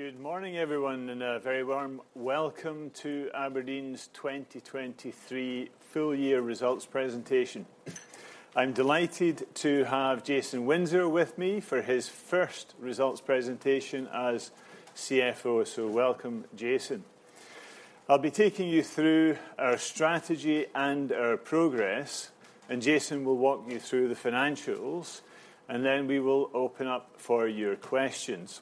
Good morning, everyone, and a very warm welcome to abrdn's 2023 full-year results presentation. I'm delighted to have Jason Windsor with me for his first results presentation as CFO, so welcome, Jason. I'll be taking you through our strategy and our progress, and Jason will walk you through the financials, and then we will open up for your questions.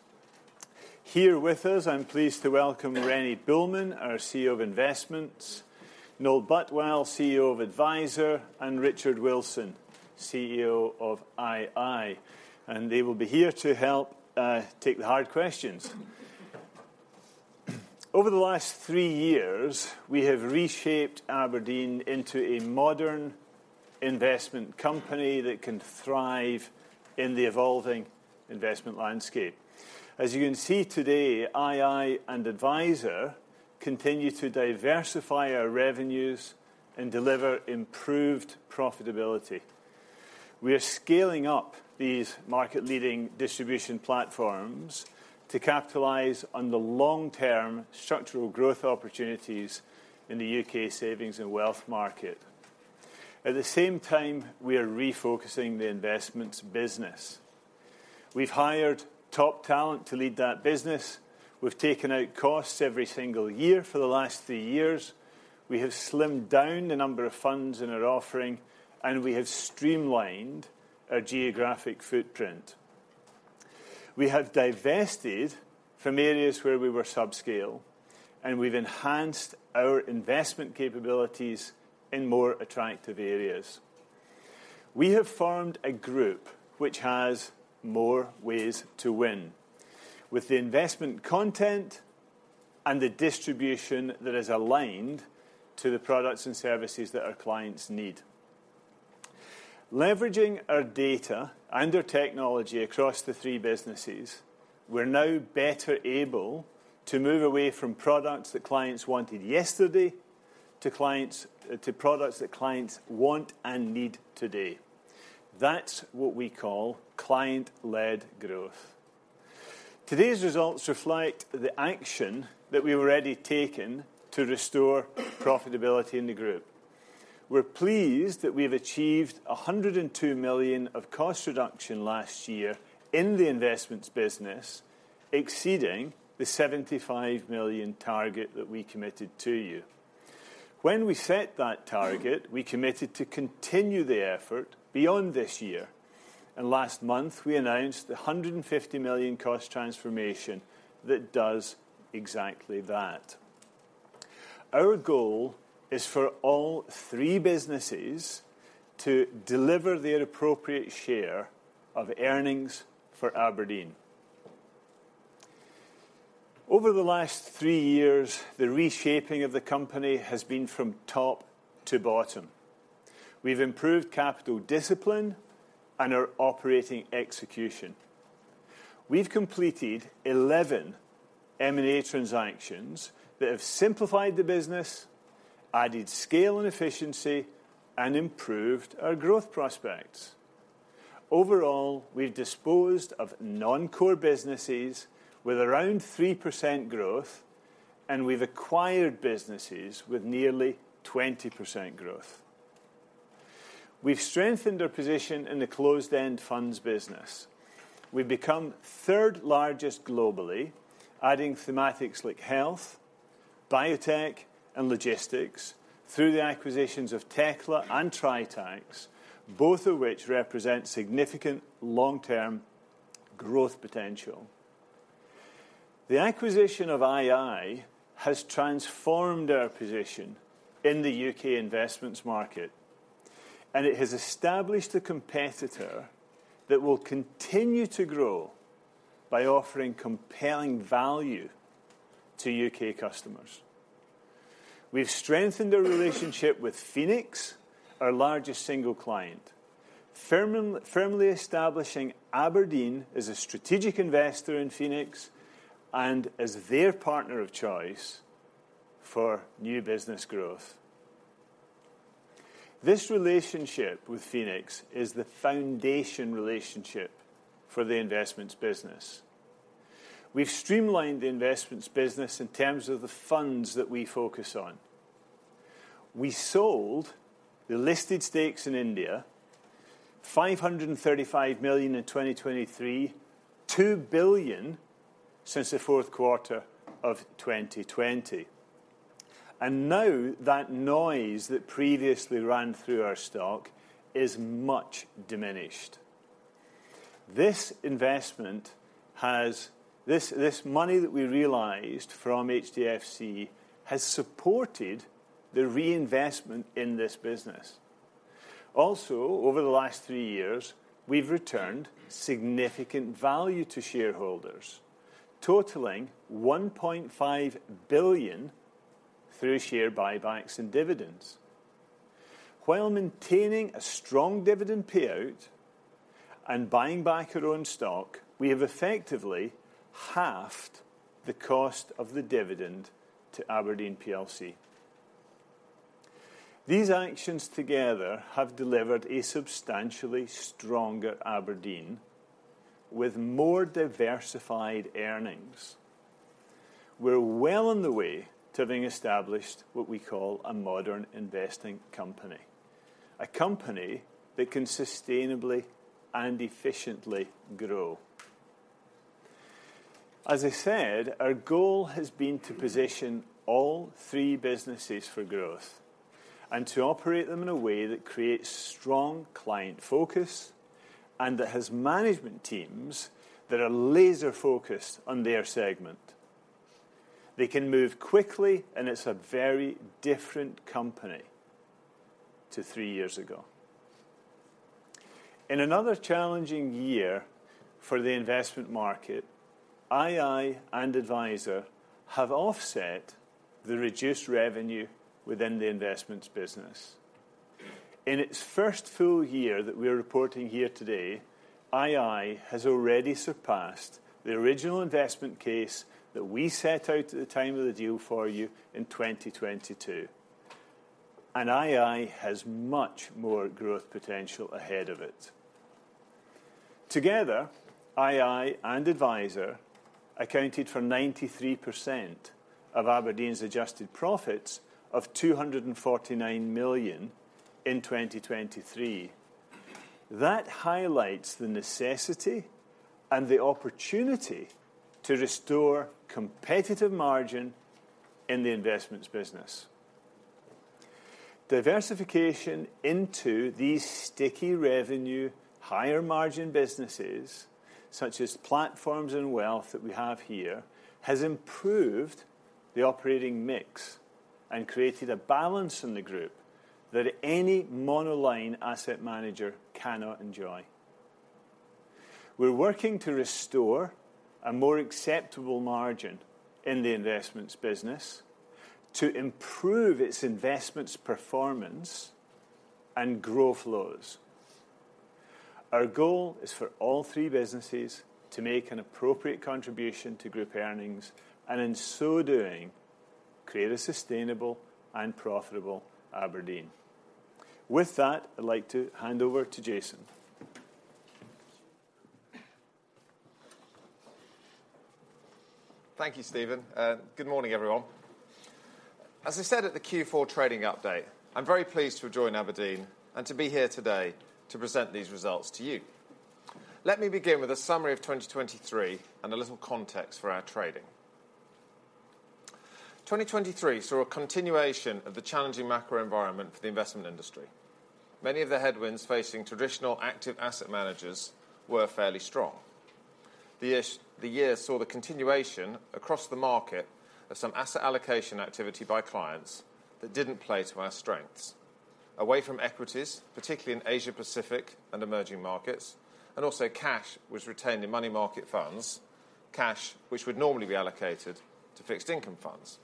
Here with us, I'm pleased to welcome Rene Buehlmann, our CEO of Investments, Noel Butwell, CEO of Adviser, and Richard Wilson, CEO of ii. They will be here to help take the hard questions. Over the last three years, we have reshaped abrdn into a modern investment company that can thrive in the evolving investment landscape. As you can see today, ii and Adviser continue to diversify our revenues and deliver improved profitability. We are scaling up these market-leading distribution platforms to capitalize on the long-term structural growth opportunities in the U.K. savings and wealth market. At the same time, we are refocusing the investments business. We've hired top talent to lead that business. We've taken out costs every single year for the last three years. We have slimmed down the number of funds in our offering, and we have streamlined our geographic footprint. We have divested from areas where we were subscale, and we've enhanced our investment capabilities in more attractive areas. We have formed a group which has more ways to win, with the investment content and the distribution that is aligned to the products and services that our clients need. Leveraging our data and our technology across the three businesses, we're now better able to move away from products that clients wanted yesterday to products that clients want and need today. That's what we call client-led growth. Today's results reflect the action that we've already taken to restore profitability in the group. We're pleased that we've achieved 102 million of cost reduction last year in the investments business, exceeding the 75 million target that we committed to you. When we set that target, we committed to continue the effort beyond this year. Last month, we announced the 150 million cost transformation that does exactly that. Our goal is for all three businesses to deliver their appropriate share of earnings for abrdn. Over the last three years, the reshaping of the company has been from top to bottom. We've improved capital discipline and our operating execution. We've completed 11 M&A transactions that have simplified the business, added scale and efficiency, and improved our growth prospects. Overall, we've disposed of non-core businesses with around 3% growth, and we've acquired businesses with nearly 20% growth. We've strengthened our position in the closed-end funds business. We've become third-largest globally, adding thematics like health, biotech, and logistics through the acquisitions of Tekla and Tritax, both of which represent significant long-term growth potential. The acquisition of ii has transformed our position in the U.K. investments market, and it has established a competitor that will continue to grow by offering compelling value to U.K. customers. We've strengthened our relationship with Phoenix, our largest single client, firmly establishing abrdn as a strategic investor in Phoenix and as their partner of choice for new business growth. This relationship with Phoenix is the foundation relationship for the investments business. We've streamlined the investments business in terms of the funds that we focus on. We sold the listed stakes in India, 535 million in 2023, 2 billion since the fourth quarter of 2020. Now that noise that previously ran through our stock is much diminished. This money that we realized from HDFC has supported the reinvestment in this business. Also, over the last three years, we've returned significant value to shareholders, totaling 1.5 billion through share buybacks and dividends. While maintaining a strong dividend payout and buying back our own stock, we have effectively halved the cost of the dividend to abrdn plc. These actions together have delivered a substantially stronger abrdn with more diversified earnings. We're well on the way to having established what we call a modern investing company, a company that can sustainably and efficiently grow. As I said, our goal has been to position all three businesses for growth and to operate them in a way that creates strong client focus and that has management teams that are laser-focused on their segment. They can move quickly, and it's a very different company to three years ago. In another challenging year for the investment market, ii and Adviser have offset the reduced revenue within the investments business. In its first full year that we're reporting here today, ii has already surpassed the original investment case that we set out at the time of the deal for you in 2022, and ii has much more growth potential ahead of it. Together, ii and Adviser accounted for 93% of abrdn`s adjusted profits of 249 million in 2023. That highlights the necessity and the opportunity to restore competitive margin in the investments business. Diversification into these sticky revenue, higher-margin businesses, such as platforms and wealth that we have here, has improved the operating mix and created a balance in the group that any monoline asset manager cannot enjoy. We're working to restore a more acceptable margin in the investments business to improve its investments performance and growth flows. Our goal is for all three businesses to make an appropriate contribution to group earnings and, in so doing, create a sustainable and profitable abrdn. With that, I'd like to hand over to Jason. Thank you, Stephen. Good morning, everyone. As I said at the Q4 trading update, I'm very pleased to have joined abrdn and to be here today to present these results to you. Let me begin with a summary of 2023 and a little context for our trading. 2023 saw a continuation of the challenging macro environment for the investment industry. Many of the headwinds facing traditional active asset managers were fairly strong. The year saw the continuation across the market of some asset allocation activity by clients that didn't play to our strengths. Away from equities, particularly in Asia-Pacific and emerging markets, and also cash was retained in money market funds, cash which would normally be allocated to fixed income funds.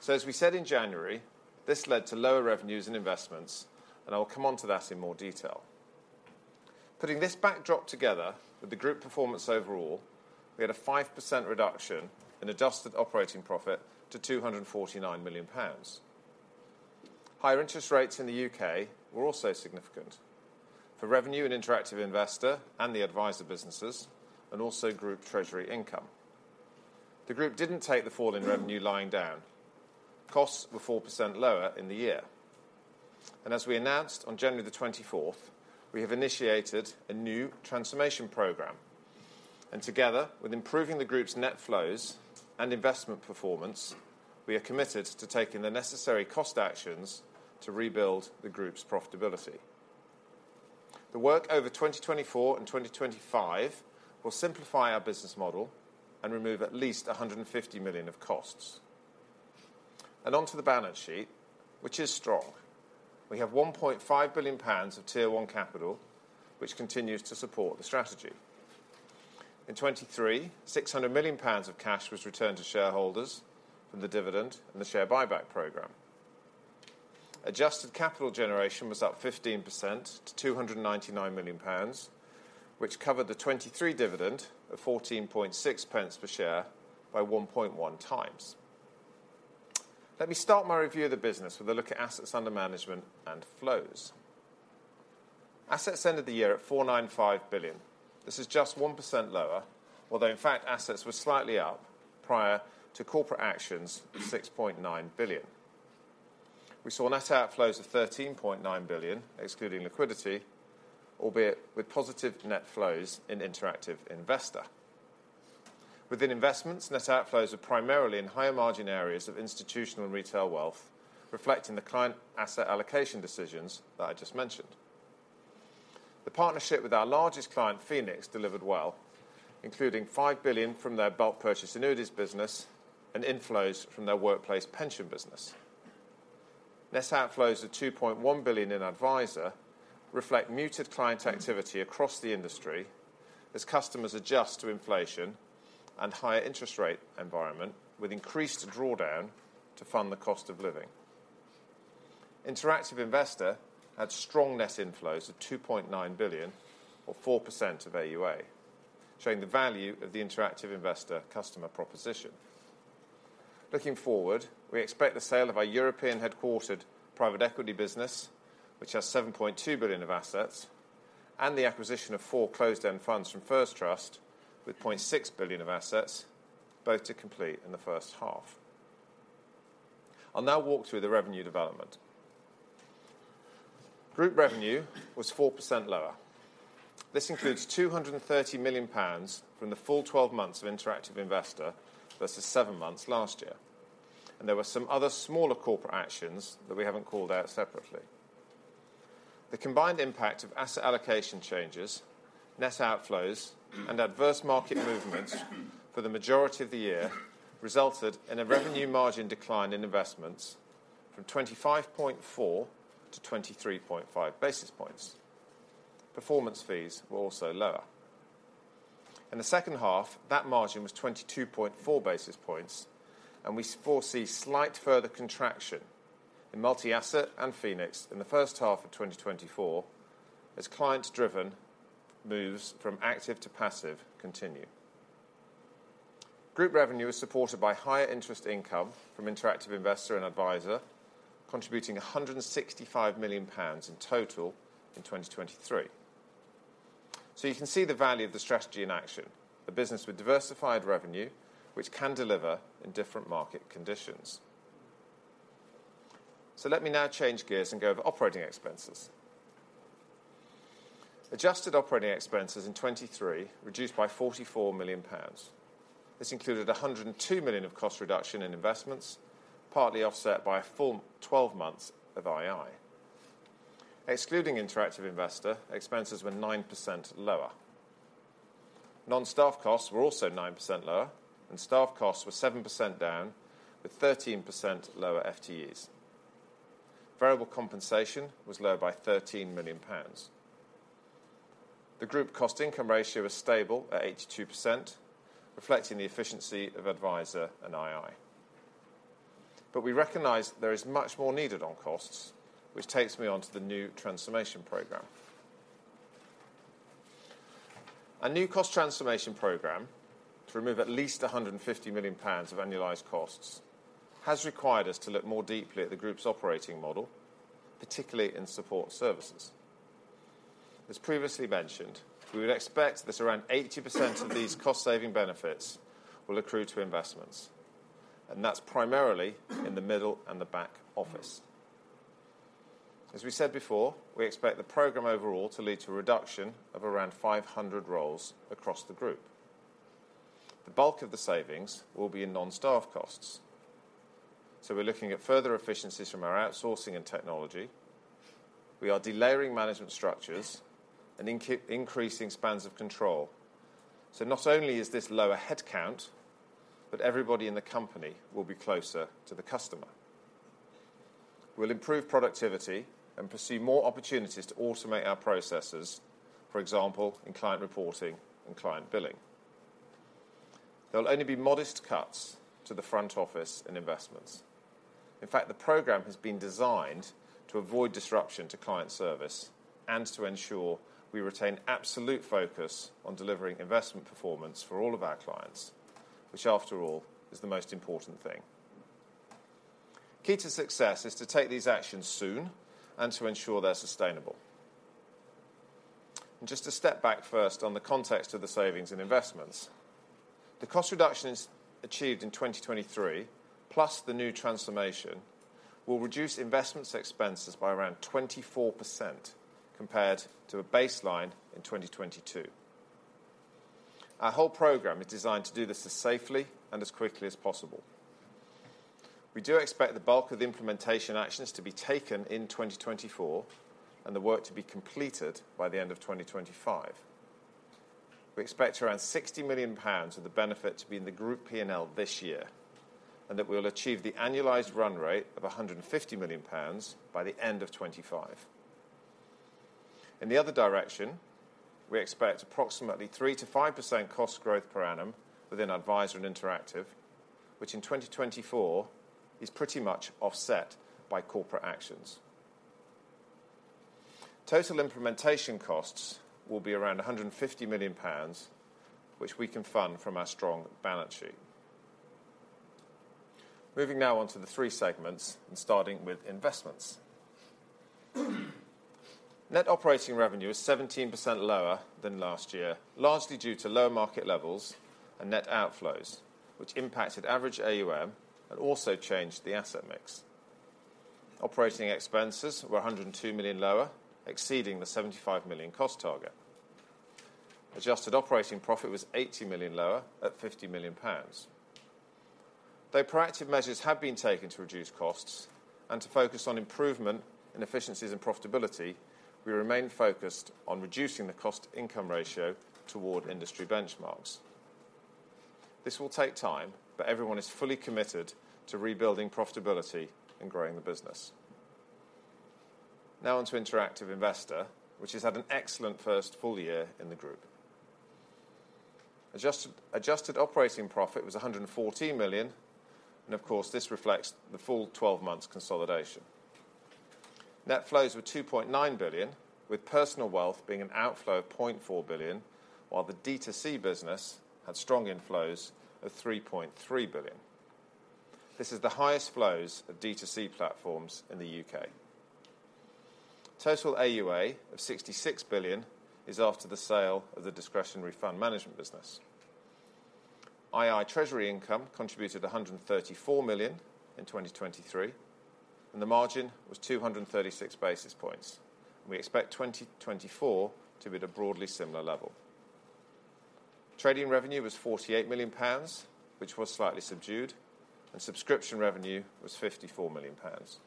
So, as we said in January, this led to lower revenues and investments, and I will come on to that in more detail. Putting this backdrop together with the group performance overall, we had a 5% reduction in adjusted operating profit to 249 million pounds. Higher interest rates in the UK were also significant for revenue and interactive investor and the adviser businesses, and also group treasury income. The group didn't take the fall in revenue lying down. Costs were 4% lower in the year. As we announced on January the 24th, we have initiated a new transformation program. Together, with improving the group's net flows and investment performance, we are committed to taking the necessary cost actions to rebuild the group's profitability. The work over 2024 and 2025 will simplify our business model and remove at least 150 million of costs. Onto the balance sheet, which is strong. We have 1.5 billion pounds of Tier 1 capital, which continues to support the strategy. In 2023, 600 million pounds of cash was returned to shareholders from the dividend and the share buyback program. Adjusted capital generation was up 15% to 299 million pounds, which covered the 2023 dividend of 0.14 per share by 1.1 times. Let me start my review of the business with a look at assets under management and flows. Assets ended the year at 495 billion. This is just 1% lower, although in fact, assets were slightly up prior to corporate actions of 6.9 billion. We saw net outflows of 13.9 billion, excluding liquidity, albeit with positive net flows in interactive investor. Within investments, net outflows were primarily in higher-margin areas of institutional and retail wealth, reflecting the client asset allocation decisions that I just mentioned. The partnership with our largest client, Phoenix, delivered well, including 5 billion from their bulk purchase annuities business and inflows from their workplace pension business. Net outflows of 2.1 billion in Adviser reflect muted client activity across the industry as customers adjust to inflation and higher interest rate environment, with increased drawdown to fund the cost of living. interactive investor had strong net inflows of 2.9 billion, or 4% of AUA, showing the value of the interactive investor customer proposition. Looking forward, we expect the sale of our European headquartered private equity business, which has 7.2 billion of assets, and the acquisition of four closed-end funds from First Trust with 0.6 billion of assets, both to complete in the first half. I'll now walk through the revenue development. Group revenue was 4% lower. This includes 230 million pounds from the full 12 months of interactive investor versus seven months last year. There were some other smaller corporate actions that we haven't called out separately. The combined impact of asset allocation changes, net outflows, and adverse market movements for the majority of the year resulted in a revenue margin decline in investments from 25.4 to 23.5 basis points. Performance fees were also lower. In the second half, that margin was 22.4 basis points, and we foresee slight further contraction in multi-asset and Phoenix in the first half of 2024 as client-driven moves from active to passive continue. Group revenue was supported by higher interest income from interactive investor and Adviser, contributing 165 million pounds in total in 2023. So you can see the value of the strategy in action: a business with diversified revenue which can deliver in different market conditions. So let me now change gears and go over operating expenses. Adjusted operating expenses in 2023 reduced by 44 million pounds. This included 102 million of cost reduction in investments, partly offset by a full 12 months of ii. Excluding interactive investor, expenses were 9% lower. Non-staff costs were also 9% lower, and staff costs were 7% down with 13% lower FTEs. Variable compensation was lower by 13 million pounds. The group cost-income ratio was stable at 82%, reflecting the efficiency of Adviser and ii. We recognize there is much more needed on costs, which takes me onto the new transformation program. Our new cost transformation program, to remove at least 150 million pounds of annualized costs, has required us to look more deeply at the group's operating model, particularly in support services. As previously mentioned, we would expect that around 80% of these cost-saving benefits will accrue to investments, and that's primarily in the middle and the back office. As we said before, we expect the program overall to lead to a reduction of around 500 roles across the group. The bulk of the savings will be in non-staff costs. So we're looking at further efficiencies from our outsourcing and technology. We are delayering management structures and increasing spans of control. So not only is this lower headcount, but everybody in the company will be closer to the customer. We'll improve productivity and pursue more opportunities to automate our processes, for example, in client reporting and client billing. There'll only be modest cuts to the front office and investments. In fact, the program has been designed to avoid disruption to client service and to ensure we retain absolute focus on delivering investment performance for all of our clients, which after all is the most important thing. Key to success is to take these actions soon and to ensure they're sustainable. Just to step back first on the context of the savings and investments: the cost reduction achieved in 2023, plus the new transformation, will reduce investment expenses by around 24% compared to a baseline in 2022. Our whole program is designed to do this as safely and as quickly as possible. We do expect the bulk of the implementation actions to be taken in 2024 and the work to be completed by the end of 2025. We expect around 60 million pounds of the benefit to be in the group P&L this year, and that we'll achieve the annualized run rate of 150 million pounds by the end of 2025. In the other direction, we expect approximately 3%-5% cost growth per annum within Adviser and interactive, which in 2024 is pretty much offset by corporate actions. Total implementation costs will be around 150 million pounds, which we can fund from our strong balance sheet. Moving now onto the three segments, and starting with investments. Net operating revenue is 17% lower than last year, largely due to lower market levels and net outflows, which impacted average AUM and also changed the asset mix. Operating expenses were 102 million lower, exceeding the 75 million cost target. Adjusted operating profit was 80 million lower at 50 million pounds. Though proactive measures have been taken to reduce costs and to focus on improvement in efficiencies and profitability, we remain focused on reducing the cost-income ratio toward industry benchmarks. This will take time, but everyone is fully committed to rebuilding profitability and growing the business. Now onto interactive investor, which has had an excellent first full year in the group. Adjusted operating profit was 114 million, and of course this reflects the full 12 months' consolidation. Net flows were 2.9 billion, with personal wealth being an outflow of 0.4 billion, while the D2C business had strong inflows of 3.3 billion. This is the highest flows of D2C platforms in the UK. Total AUA of 66 billion is after the sale of the discretionary fund management business. ii Treasury income contributed 134 million in 2023, and the margin was 236 basis points. We expect 2024 to be at a broadly similar level. Trading revenue was 48 million pounds, which was slightly subdued, and subscription revenue was 54 million pounds.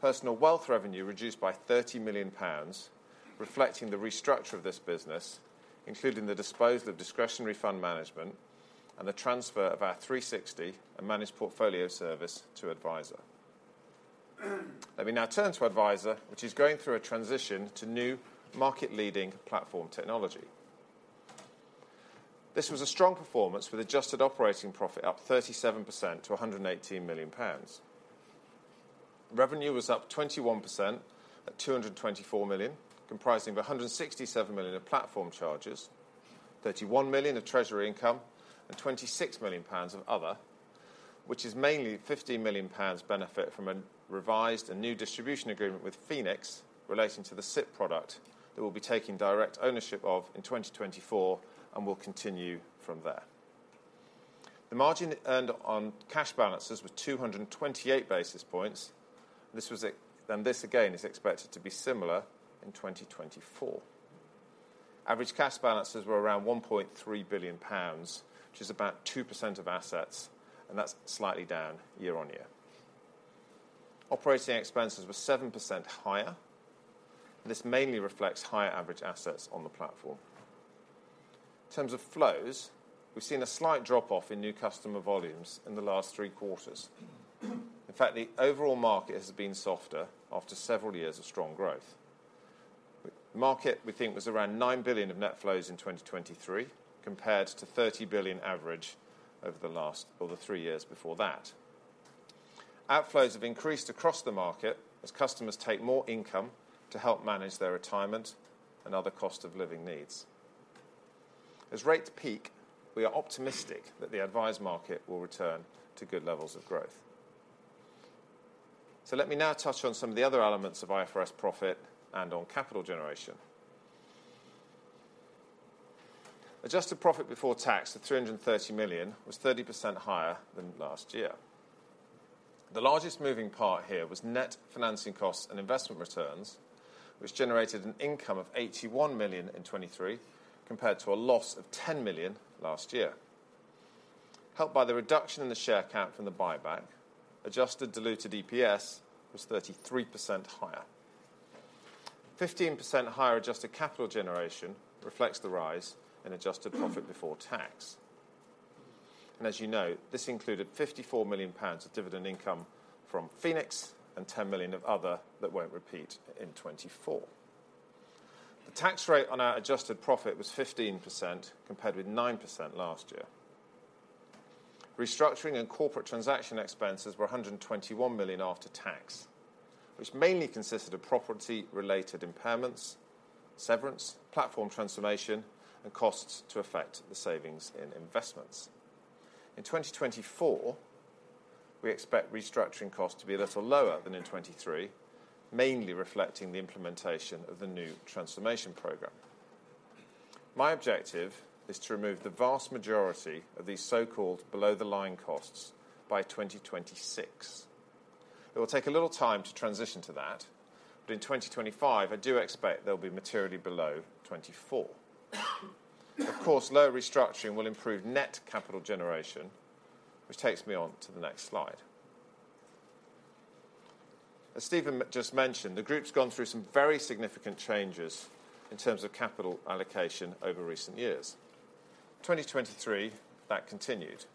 Personal wealth revenue reduced by 30 million pounds, reflecting the restructure of this business, including the disposal of discretionary fund management and the transfer of our Threesixty and managed portfolio service to Adviser. Let me now turn to Adviser, which is going through a transition to new market-leading platform technology. This was a strong performance, with adjusted operating profit up 37% to 118 million pounds. Revenue was up 21% at 224 million, comprising of 167 million of platform charges, 31 million of treasury income, and 26 million pounds of other, which is mainly 15 million pounds benefit from a revised and new distribution agreement with Phoenix relating to the SIPP product that will be taking direct ownership of in 2024 and will continue from there. The margin earned on cash balances was 228 basis points, and this again is expected to be similar in 2024. Average cash balances were around 1.3 billion pounds, which is about 2% of assets, and that's slightly down year-over-year. Operating expenses were 7% higher, and this mainly reflects higher average assets on the platform. In terms of flows, we've seen a slight drop-off in new customer volumes in the last three quarters. In fact, the overall market has been softer after several years of strong growth. The market, we think, was around 9 billion of net flows in 2023, compared to 30 billion average over the last or the three years before that. Outflows have increased across the market as customers take more income to help manage their retirement and other cost of living needs. As rates peak, we are optimistic that the advised market will return to good levels of growth. Let me now touch on some of the other elements of IFRS profit and on capital generation. Adjusted profit before tax of 330 million was 30% higher than last year. The largest moving part here was net financing costs and investment returns, which generated an income of 81 million in 2023, compared to a loss of 10 million last year. Helped by the reduction in the share count from the buyback, adjusted diluted EPS was 33% higher. 15% higher adjusted capital generation reflects the rise in adjusted profit before tax. And as you know, this included 54 million pounds of dividend income from Phoenix and 10 million of other that won't repeat in 2024. The tax rate on our adjusted profit was 15%, compared with 9% last year. Restructuring and corporate transaction expenses were 121 million after tax, which mainly consisted of property-related impairments, severance, platform transformation, and costs to affect the savings in investments. In 2024, we expect restructuring costs to be a little lower than in 2023, mainly reflecting the implementation of the new transformation program. My objective is to remove the vast majority of these so-called below-the-line costs by 2026. It will take a little time to transition to that, but in 2025, I do expect they'll be materially below 2024. Of course, lower restructuring will improve net capital generation, which takes me onto the next slide. As Stephen just mentioned, the group's gone through some very significant changes in terms of capital allocation over recent years. In 2023, that continued,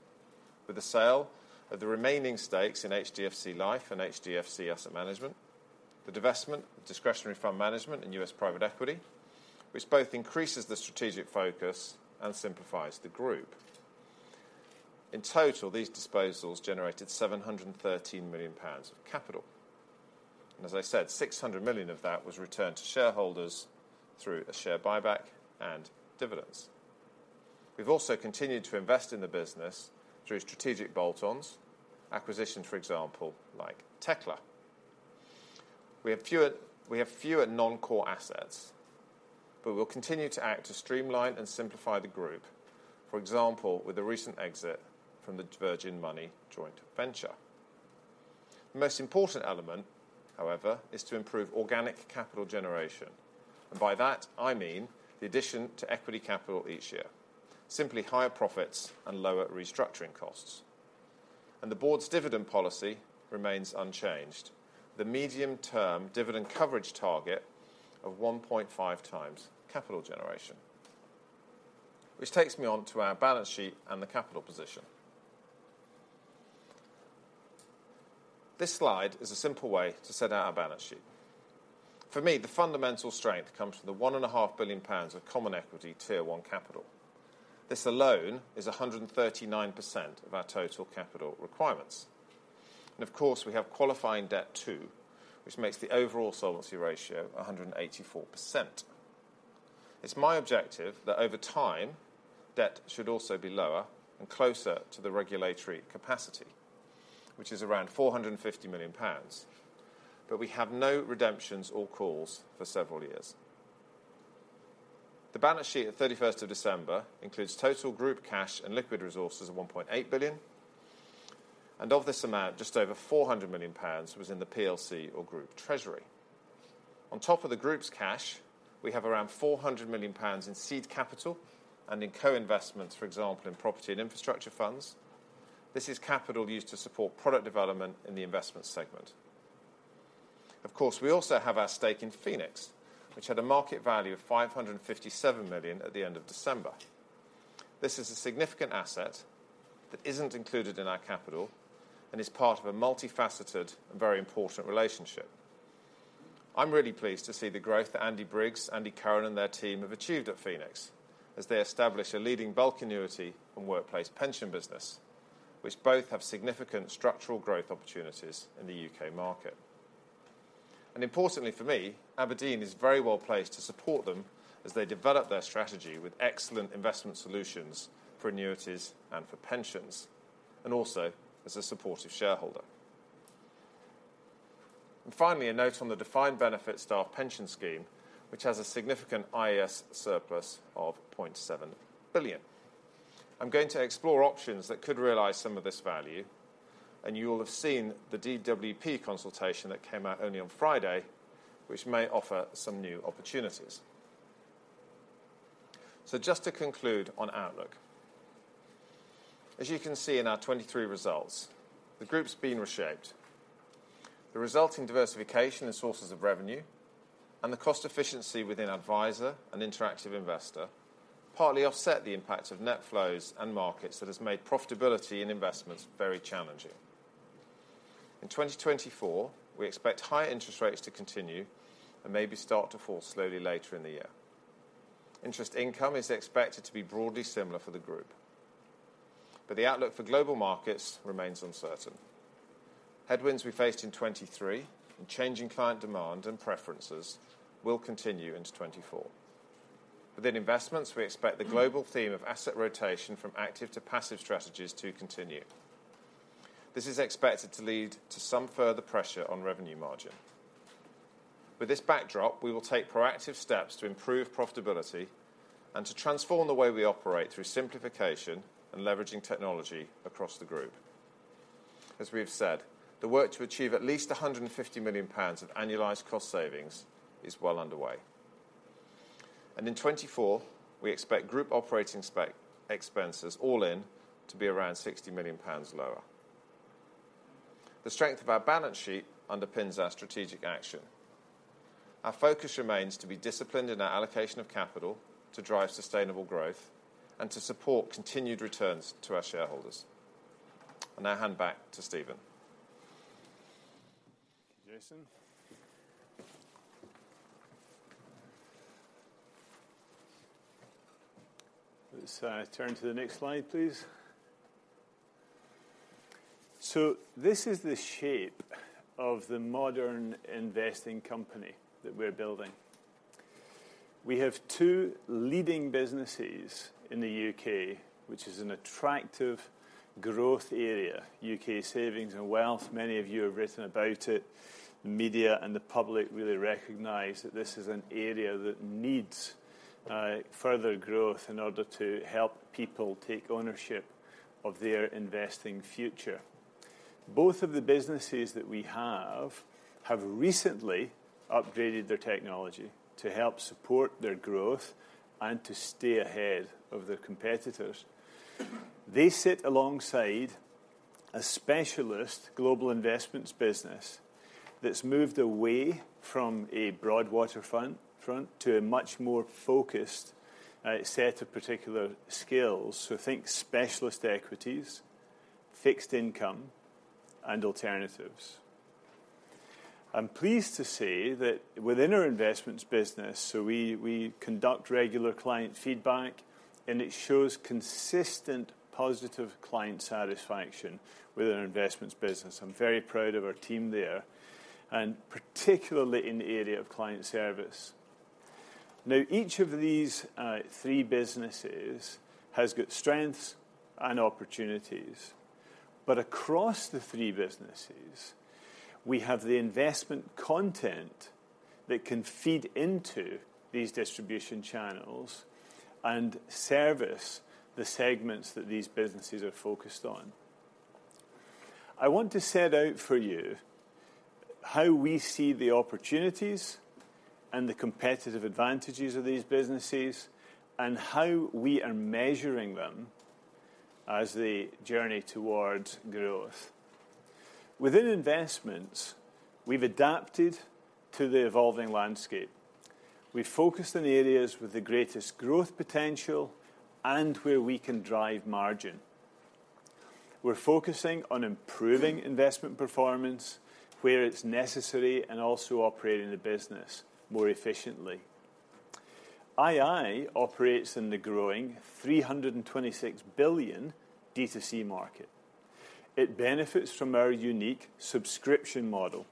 with the sale of the remaining stakes in HDFC Life and HDFC Asset Management, the divestment of discretionary fund management in U.S. private equity, which both increases the strategic focus and simplifies the group. In total, these disposals generated 713 million pounds of capital. And as I said, 600 million of that was returned to shareholders through a share buyback and dividends. We've also continued to invest in the business through strategic bolt-ons acquisitions, for example, like Tekla. We have fewer non-core assets, but we'll continue to act to streamline and simplify the group, for example, with the recent exit from the Virgin Money joint venture. The most important element, however, is to improve organic capital generation. And by that, I mean the addition to equity capital each year - simply higher profits and lower restructuring costs. The board's dividend policy remains unchanged: the medium-term dividend coverage target of 1.5x capital generation. Which takes me onto our balance sheet and the capital position. This slide is a simple way to set out our balance sheet. For me, the fundamental strength comes from the 1.5 billion pounds of Common Equity Tier 1 capital. This alone is 139% of our total capital requirements. Of course, we have qualifying debt too, which makes the overall solvency ratio 184%. It's my objective that over time, debt should also be lower and closer to the regulatory capacity, which is around 450 million pounds. We have no redemptions or calls for several years. The balance sheet of 31st of December includes total group cash and liquid resources of 1.8 billion. Of this amount, just over 400 million pounds was in the PLC, or group treasury. On top of the group's cash, we have around 400 million pounds in seed capital and in co-investments, for example, in property and infrastructure funds. This is capital used to support product development in the investment segment. Of course, we also have our stake in Phoenix, which had a market value of 557 million at the end of December. This is a significant asset that isn't included in our capital and is part of a multifaceted and very important relationship. I'm really pleased to see the growth that Andy Briggs, Andy Curran, and their team have achieved at Phoenix, as they establish a leading bulk annuity and workplace pension business, which both have significant structural growth opportunities in the UK market. Importantly for me, abrdn is very well placed to support them as they develop their strategy with excellent investment solutions for annuities and for pensions, and also as a supportive shareholder. Finally, a note on the defined benefit staff pension scheme, which has a significant IAS surplus of 0.7 billion. I'm going to explore options that could realise some of this value. You all have seen the DWP consultation that came out only on Friday, which may offer some new opportunities. Just to conclude on Outlook: As you can see in our 2023 results, the group's been reshaped. The resulting diversification in sources of revenue and the cost efficiency within Adviser and interactive investor partly offset the impact of net flows and markets that has made profitability in investments very challenging. In 2024, we expect higher interest rates to continue and maybe start to fall slowly later in the year. Interest income is expected to be broadly similar for the group. The outlook for global markets remains uncertain. Headwinds we faced in 2023 and changing client demand and preferences will continue into 2024. Within investments, we expect the global theme of asset rotation from active to passive strategies to continue. This is expected to lead to some further pressure on revenue margin. With this backdrop, we will take proactive steps to improve profitability and to transform the way we operate through simplification and leveraging technology across the group. As we have said, the work to achieve at least 150 million pounds of annualised cost savings is well underway. In 2024, we expect group operating expenses, all in, to be around 60 million pounds lower. The strength of our balance sheet underpins our strategic action. Our focus remains to be disciplined in our allocation of capital to drive sustainable growth and to support continued returns to our shareholders. Now hand back to Stephen. Thank you, Jason. Let's turn to the next slide, please. This is the shape of the modern investing company that we're building. We have two leading businesses in the U.K., which is an attractive growth area: U.K. savings and wealth. Many of you have written about it. The media and the public really recognize that this is an area that needs further growth in order to help people take ownership of their investing future. Both of the businesses that we have have recently upgraded their technology to help support their growth and to stay ahead of their competitors. They sit alongside a specialist global investments business that's moved away from a broad front to a much more focused set of particular skills. So think specialist equities, fixed income, and alternatives. I'm pleased to say that within our investments business, so we conduct regular client feedback, and it shows consistent positive client satisfaction with our investments business. I'm very proud of our team there, and particularly in the area of client service. Now, each of these three businesses has got strengths and opportunities. But across the three businesses, we have the investment content that can feed into these distribution channels and service the segments that these businesses are focused on. I want to set out for you how we see the opportunities and the competitive advantages of these businesses, and how we are measuring them as they journey towards growth. Within investments, we've adapted to the evolving landscape. We've focused on areas with the greatest growth potential and where we can drive margin. We're focusing on improving investment performance where it's necessary and also operating the business more efficiently. ii operates in the growing 326 billion D2C market. It benefits from our unique subscription model.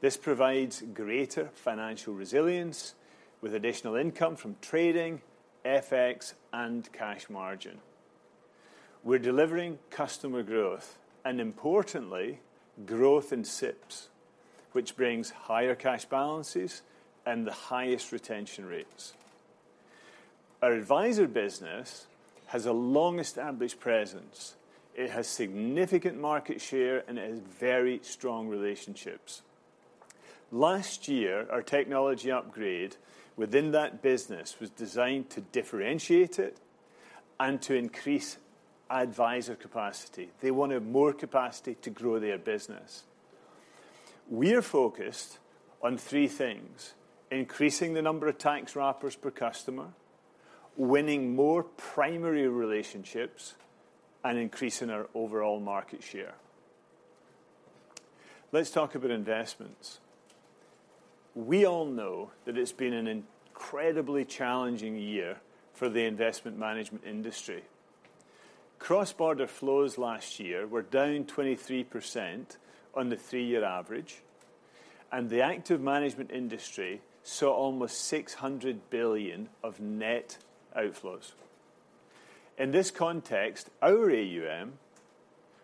This provides greater financial resilience with additional income from trading, FX, and cash margin. We're delivering customer growth and, importantly, growth in SIPPs, which brings higher cash balances and the highest retention rates. Our adviser business has a long-established presence. It has significant market share, and it has very strong relationships. Last year, our technology upgrade within that business was designed to differentiate it and to increase adviser capacity. They wanted more capacity to grow their business. We are focused on three things: increasing the number of tax wrappers per customer, winning more primary relationships, and increasing our overall market share. Let's talk about investments. We all know that it's been an incredibly challenging year for the investment management industry. Cross-border flows last year were down 23% on the three-year average, and the active management industry saw almost 600 billion of net outflows. In this context, our AUM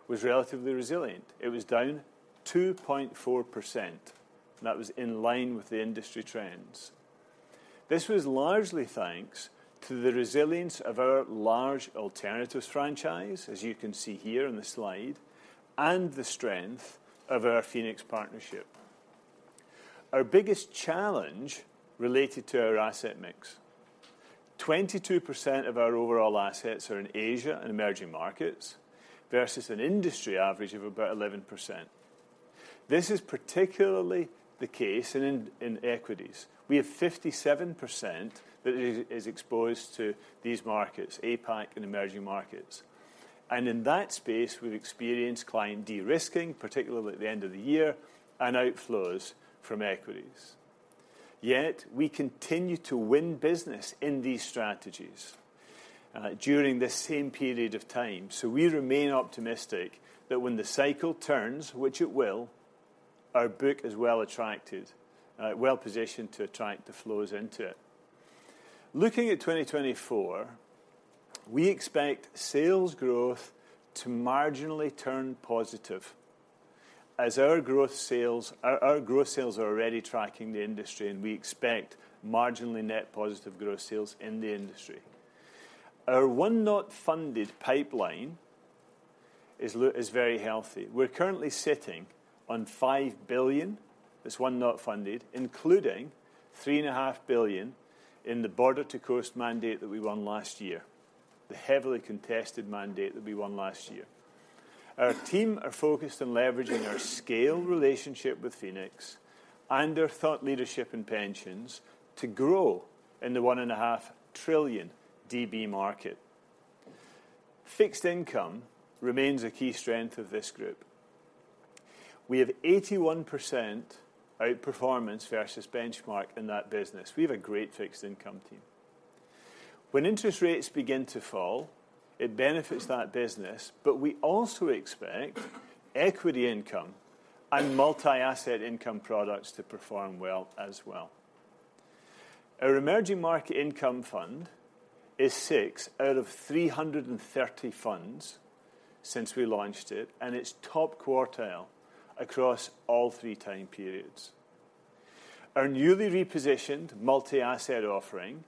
was relatively resilient. It was down 2.4%, and that was in line with the industry trends. This was largely thanks to the resilience of our large alternatives franchise, as you can see here on the slide, and the strength of our Phoenix partnership. Our biggest challenge related to our asset mix: 22% of our overall assets are in Asia and emerging markets versus an industry average of about 11%. This is particularly the case in equities. We have 57% that is exposed to these markets, APAC and emerging markets. In that space, we've experienced client de-risking, particularly at the end of the year, and outflows from equities. Yet, we continue to win business in these strategies during this same period of time. So we remain optimistic that when the cycle turns - which it will - our book is well-attracted, well-positioned to attract the flows into it. Looking at 2024, we expect sales growth to marginally turn positive, as our gross sales are already tracking the industry, and we expect marginally net positive gross sales in the industry. Our unfunded pipeline is very healthy. We're currently sitting on 5 billion - this unfunded - including 3.5 billion in the Border to Coast mandate that we won last year - the heavily contested mandate that we won last year. Our team are focused on leveraging our scale relationship with Phoenix and our thought leadership in pensions to grow in the 1.5 trillion DB market. Fixed income remains a key strength of this group. We have 81% outperformance versus benchmark in that business. We have a great fixed income team. When interest rates begin to fall, it benefits that business, but we also expect equity income and multi-asset income products to perform well as well. Our emerging market income fund is six out of 330 funds since we launched it, and it's top quartile across all three time periods. Our newly repositioned multi-asset offering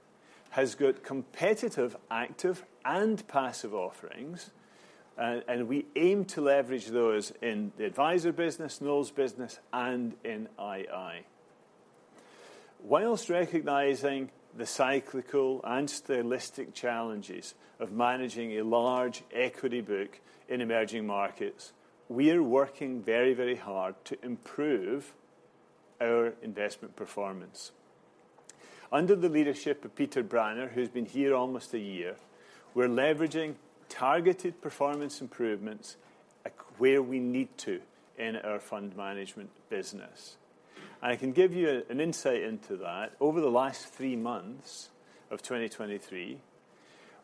has got competitive active and passive offerings, and we aim to leverage those in the adviser business, Noel's business, and in ii. Whilst recognising the cyclical and stylistic challenges of managing a large equity book in emerging markets, we are working very, very hard to improve our investment performance. Under the leadership of Peter Branner, who's been here almost a year, we're leveraging targeted performance improvements where we need to in our fund management business. I can give you an insight into that. Over the last three months of 2023,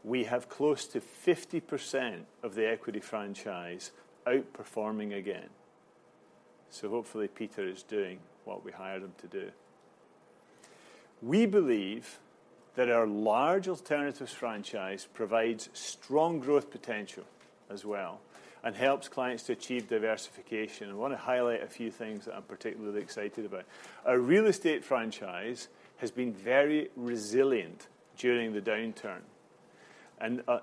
we have close to 50% of the equity franchise outperforming again. Hopefully, Peter is doing what we hired him to do. We believe that our large alternatives franchise provides strong growth potential as well and helps clients to achieve diversification. I want to highlight a few things that I'm particularly excited about. Our real estate franchise has been very resilient during the downturn.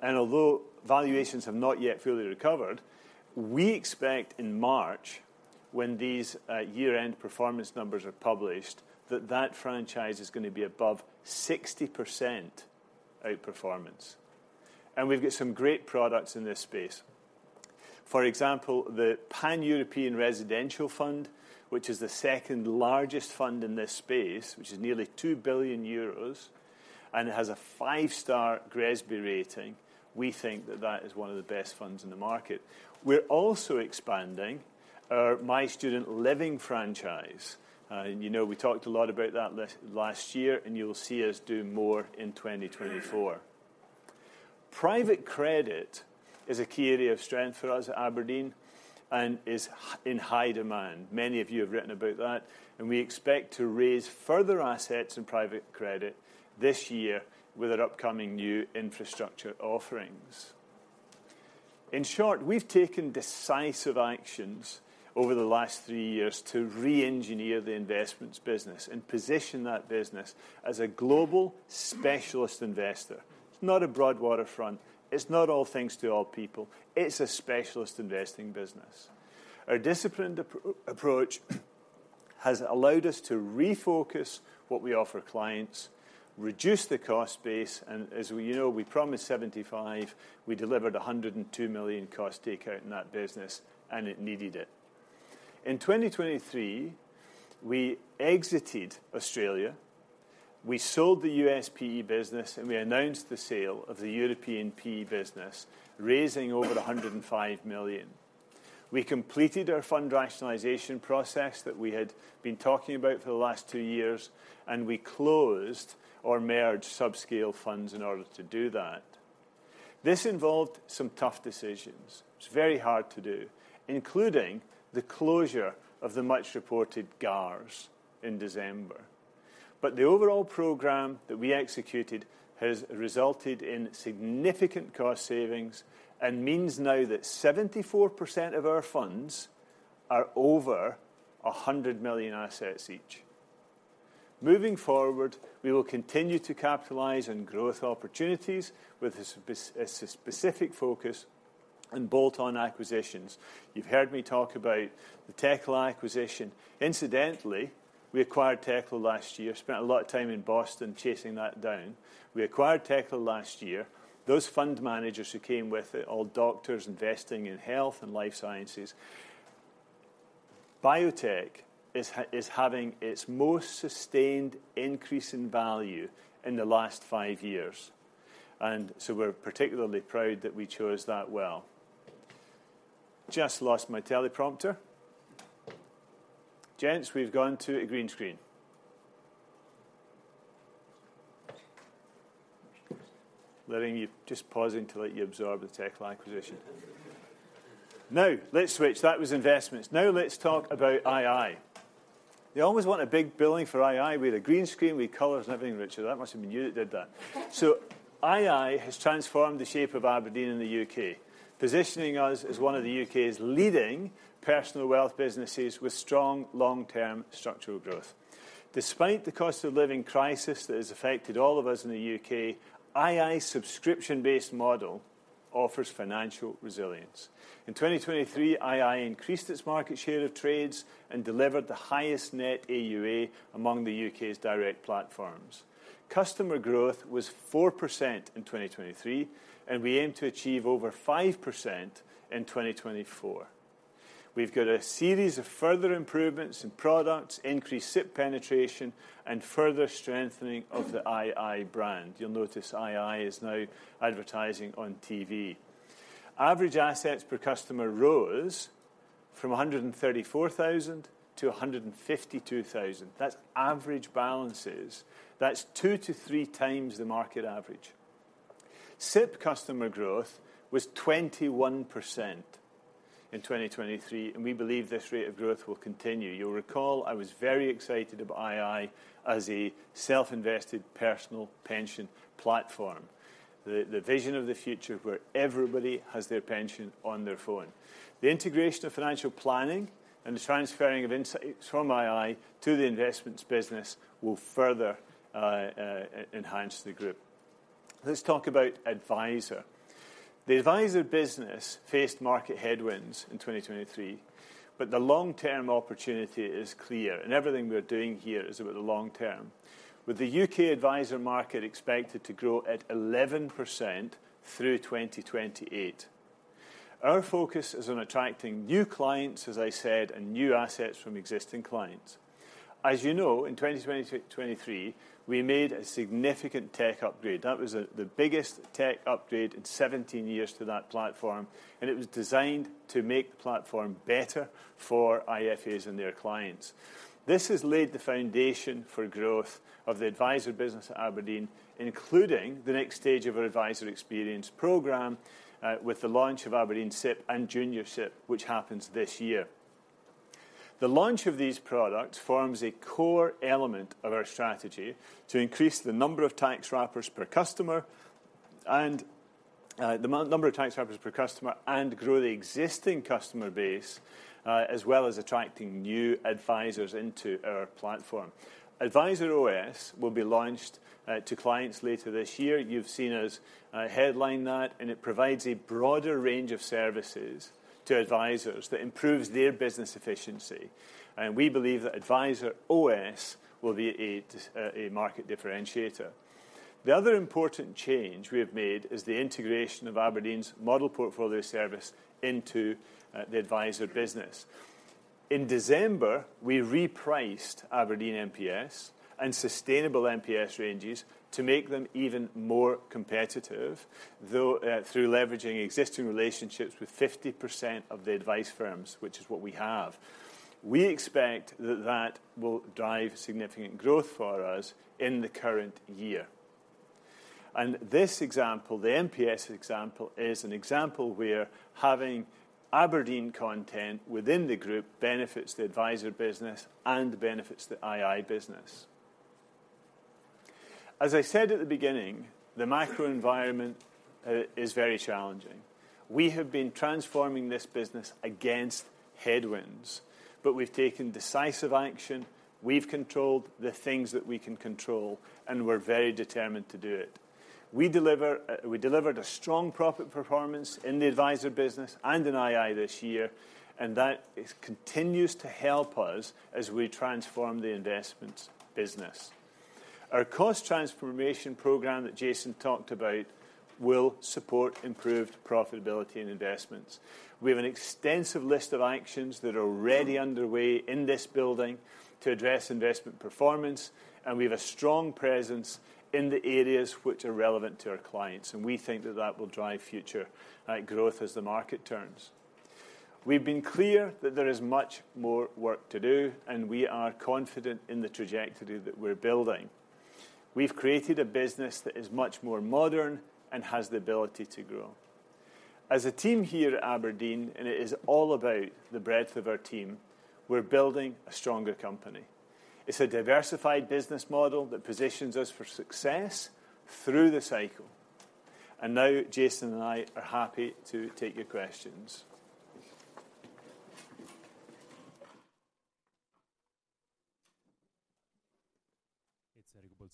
Although valuations have not yet fully recovered, we expect in March, when these year-end performance numbers are published, that that franchise is going to be above 60% outperformance. We've got some great products in this space. For example, the Pan-European Residential Fund, which is the second largest fund in this space, which is nearly 2 billion euros, and it has a five-star GRESB rating, we think that that is one of the best funds in the market. We're also expanding my student living franchise. We talked a lot about that last year, and you'll see us do more in 2024. Private credit is a key area of strength for us at abrdn and is in high demand. Many of you have written about that. And we expect to raise further assets in private credit this year with our upcoming new infrastructure offerings. In short, we've taken decisive actions over the last three years to re-engineer the investments business and position that business as a global specialist investor. It's not a broad front. It's not all things to all people. It's a specialist investing business. Our disciplined approach has allowed us to refocus what we offer clients, reduce the cost base. As we promised '75, we delivered 102 million cost takeout in that business, and it needed it. In 2023, we exited Australia. We sold the U.S. PE business, and we announced the sale of the European PE business, raising over 105 million. We completed our fund rationalization process that we had been talking about for the last two years, and we closed or merged subscale funds in order to do that. This involved some tough decisions. It's very hard to do, including the closure of the much-reported GARS in December. The overall program that we executed has resulted in significant cost savings and means now that 74% of our funds are over 100 million assets each. Moving forward, we will continue to capitalize on growth opportunities with a specific focus on bolt-on acquisitions. You've heard me talk about the Tekla acquisition. Incidentally, we acquired Tekla last year. Spent a lot of time in Boston chasing that down. We acquired Tekla last year. Those fund managers who came with it—all doctors investing in health and life sciences—biotech is having its most sustained increase in value in the last five years. And so we're particularly proud that we chose that well. Just lost my teleprompter. Gents, we've gone to a green screen. Just pausing to let you absorb the Tekla acquisition. Now, let's switch. That was investments. Now, let's talk about ii. They always want a big billing for ii. We had a green screen. We had colors and everything. Richard, that must have been you that did that. ii has transformed the shape of abrdn in the UK, positioning us as one of the UK's leading personal wealth businesses with strong long-term structural growth. Despite the cost of living crisis that has affected all of us in the UK, ii's subscription-based model offers financial resilience. In 2023, ii increased its market share of trades and delivered the highest net AUA among the UK's direct platforms. Customer growth was 4% in 2023, and we aim to achieve over 5% in 2024. We've got a series of further improvements in products, increased SIPP penetration, and further strengthening of the ii brand. You'll notice ii is now advertising on TV. Average assets per customer rose from 134,000 to 152,000. That's average balances. That's two-three times the market average. SIPP customer growth was 21% in 2023, and we believe this rate of growth will continue. You'll recall I was very excited about ii as a self-invested personal pension platform, the vision of the future where everybody has their pension on their phone. The integration of financial planning and the transferring of insights from ii to the investments business will further enhance the group. Let's talk about adviser. The adviser business faced market headwinds in 2023, but the long-term opportunity is clear, and everything we're doing here is about the long term, with the UK adviser market expected to grow at 11% through 2028. Our focus is on attracting new clients, as I said, and new assets from existing clients. As you know, in 2023, we made a significant tech upgrade. That was the biggest tech upgrade in 17 years to that platform, and it was designed to make the platform better for IFAs and their clients. This has laid the foundation for growth of the adviser business at abrdn, including the next stage of our adviser experience program with the launch of abrdn SIPP and Junior SIPP, which happens this year. The launch of these products forms a core element of our strategy to increase the number of tax wrappers per customer and grow the existing customer base, as well as attracting new advisers into our platform. Adviser OS will be launched to clients later this year. You've seen us headline that, and it provides a broader range of services to advisers that improves their business efficiency. We believe that Adviser OS will be a market differentiator. The other important change we have made is the integration of Aberdeen's model portfolio service into the adviser business. In December, we repriced abrdn MPS and Sustainable MPS ranges to make them even more competitive, though, through leveraging existing relationships with 50% of the advice firms, which is what we have. We expect that that will drive significant growth for us in the current year. This example, the MPS example, is an example where having abrdn content within the group benefits the adviser business and benefits the II business. As I said at the beginning, the macro environment is very challenging. We have been transforming this business against headwinds, but we've taken decisive action. We've controlled the things that we can control, and we're very determined to do it. We delivered a strong profit performance in the adviser business and in ii this year, and that continues to help us as we transform the investments business. Our cost transformation program that Jason talked about will support improved profitability in investments. We have an extensive list of actions that are already underway in this building to address investment performance, and we have a strong presence in the areas which are relevant to our clients. We think that that will drive future growth as the market turns. We've been clear that there is much more work to do, and we are confident in the trajectory that we're building. We've created a business that is much more modern and has the ability to grow. As a team here at abrdn - and it is all about the breadth of our team - we're building a stronger company. It's a diversified business model that positions us for success through the cycle. Now, Jason and I are happy to take your questions. It's Enrico Bolzoni, JP Morgan.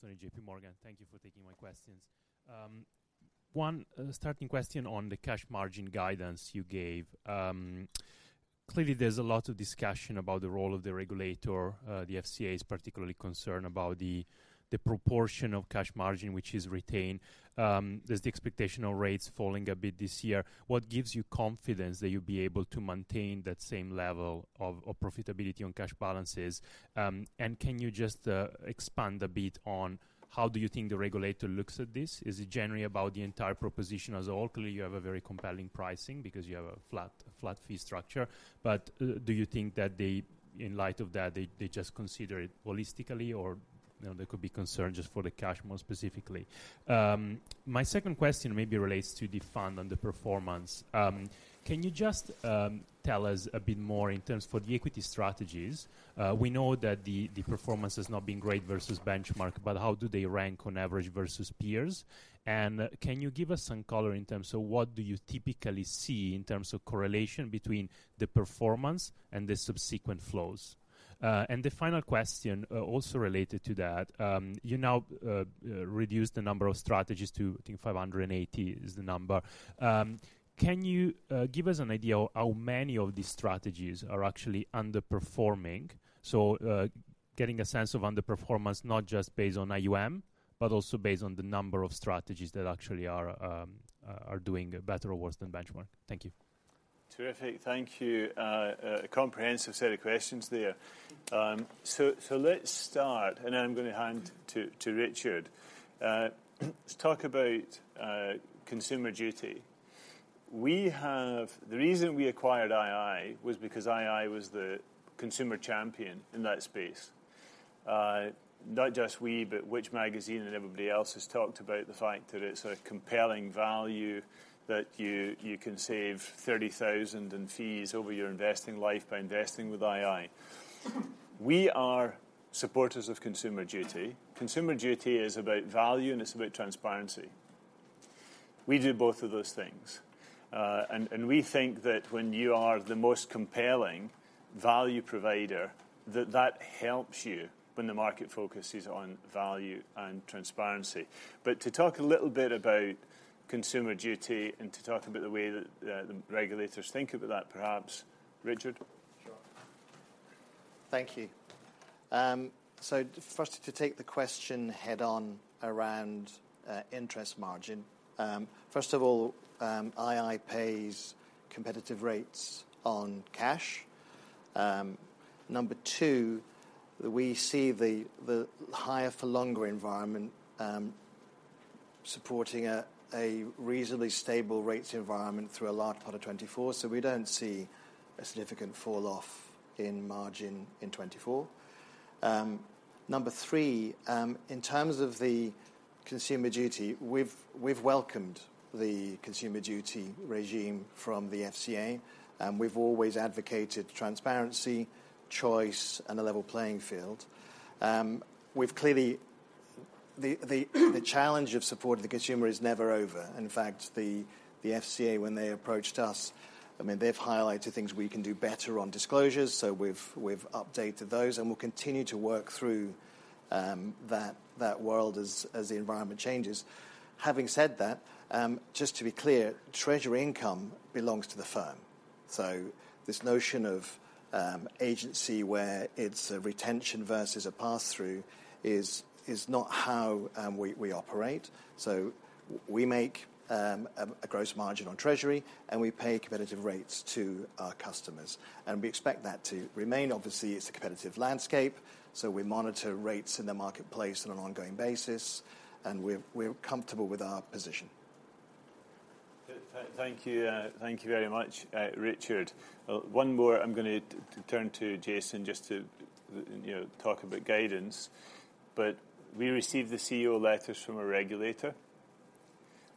Thank you for taking my questions. One starting question on the cash margin guidance you gave. Clearly, there's a lot of discussion about the role of the regulator. The FCA is particularly concerned about the proportion of cash margin which is retained. There's the expectation of rates falling a bit this year. What gives you confidence that you'll be able to maintain that same level of profitability on cash balances? And can you just expand a bit on how do you think the regulator looks at this? Is it generally about the entire proposition as a whole? Clearly, you have a very compelling pricing because you have a flat fee structure. But do you think that, in light of that, they just consider it holistically, or there could be concern just for the cash more specifically? My second question maybe relates to the fund and the performance. Can you just tell us a bit more in terms of the equity strategies? We know that the performance has not been great versus benchmark, but how do they rank on average versus peers? And can you give us some color in terms of what do you typically see in terms of correlation between the performance and the subsequent flows? And the final question, also related to that, you now reduced the number of strategies to, I think, 580 is the number. Can you give us an idea of how many of these strategies are actually underperforming? So getting a sense of underperformance, not just based on AUM, but also based on the number of strategies that actually are doing better or worse than benchmark. Thank you. Terrific. Thank you. A comprehensive set of questions there. So let's start. And then I'm going to hand to Richard. Let's talk about Consumer Duty. The reason we acquired ii was because ii was the consumer champion in that space. Not just we, but which magazine and everybody else has talked about the fact that it's a compelling value, that you can save 30,000 in fees over your investing life by investing with ii. We are supporters of Consumer Duty. Consumer Duty is about value, and it's about transparency. We do both of those things. And we think that when you are the most compelling value provider, that helps you when the market focuses on value and transparency. But to talk a little bit about Consumer Duty and to talk about the way that the regulators think about that, perhaps, Richard? Sure. Thank you. So first, to take the question head-on around interest margin. First of all, ii pays competitive rates on cash. Number two, we see the higher-for-longer environment supporting a reasonably stable rates environment through a large part of 2024. So we don't see a significant fall-off in margin in 2024. Number three, in terms of the Consumer Duty, we've welcomed the Consumer Duty regime from the FCA. We've always advocated transparency, choice, and a level playing field. Clearly, the challenge of supporting the consumer is never over. In fact, the FCA, when they approached us, they've highlighted things we can do better on disclosures. So we've updated those, and we'll continue to work through that world as the environment changes. Having said that, just to be clear, treasury income belongs to the firm. This notion of agency where it's a retention versus a pass-through is not how we operate. We make a gross margin on treasury, and we pay competitive rates to our customers. We expect that to remain. Obviously, it's a competitive landscape. We monitor rates in the marketplace on an ongoing basis, and we're comfortable with our position. Thank you very much, Richard. One more. I'm going to turn to Jason just to talk about guidance. But we receive the CEO letters from a regulator.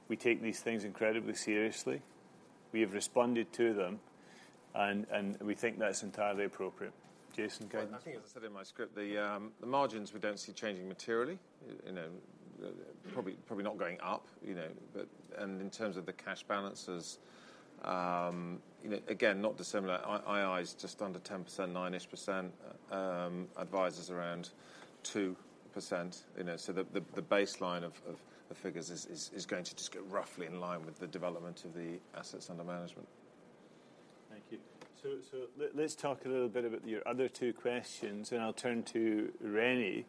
We take these things incredibly seriously. We have responded to them, and we think that's entirely appropriate. Jason, guidance? I think, as I said in my script, the margins, we don't see changing materially. Probably not going up. And in terms of the cash balances, again, not dissimilar. ii is just under 10%, 9-ish%. Advisers around 2%. So the baseline of figures is going to just get roughly in line with the development of the assets under management. Thank you. So let's talk a little bit about your other two questions. I'll turn to René.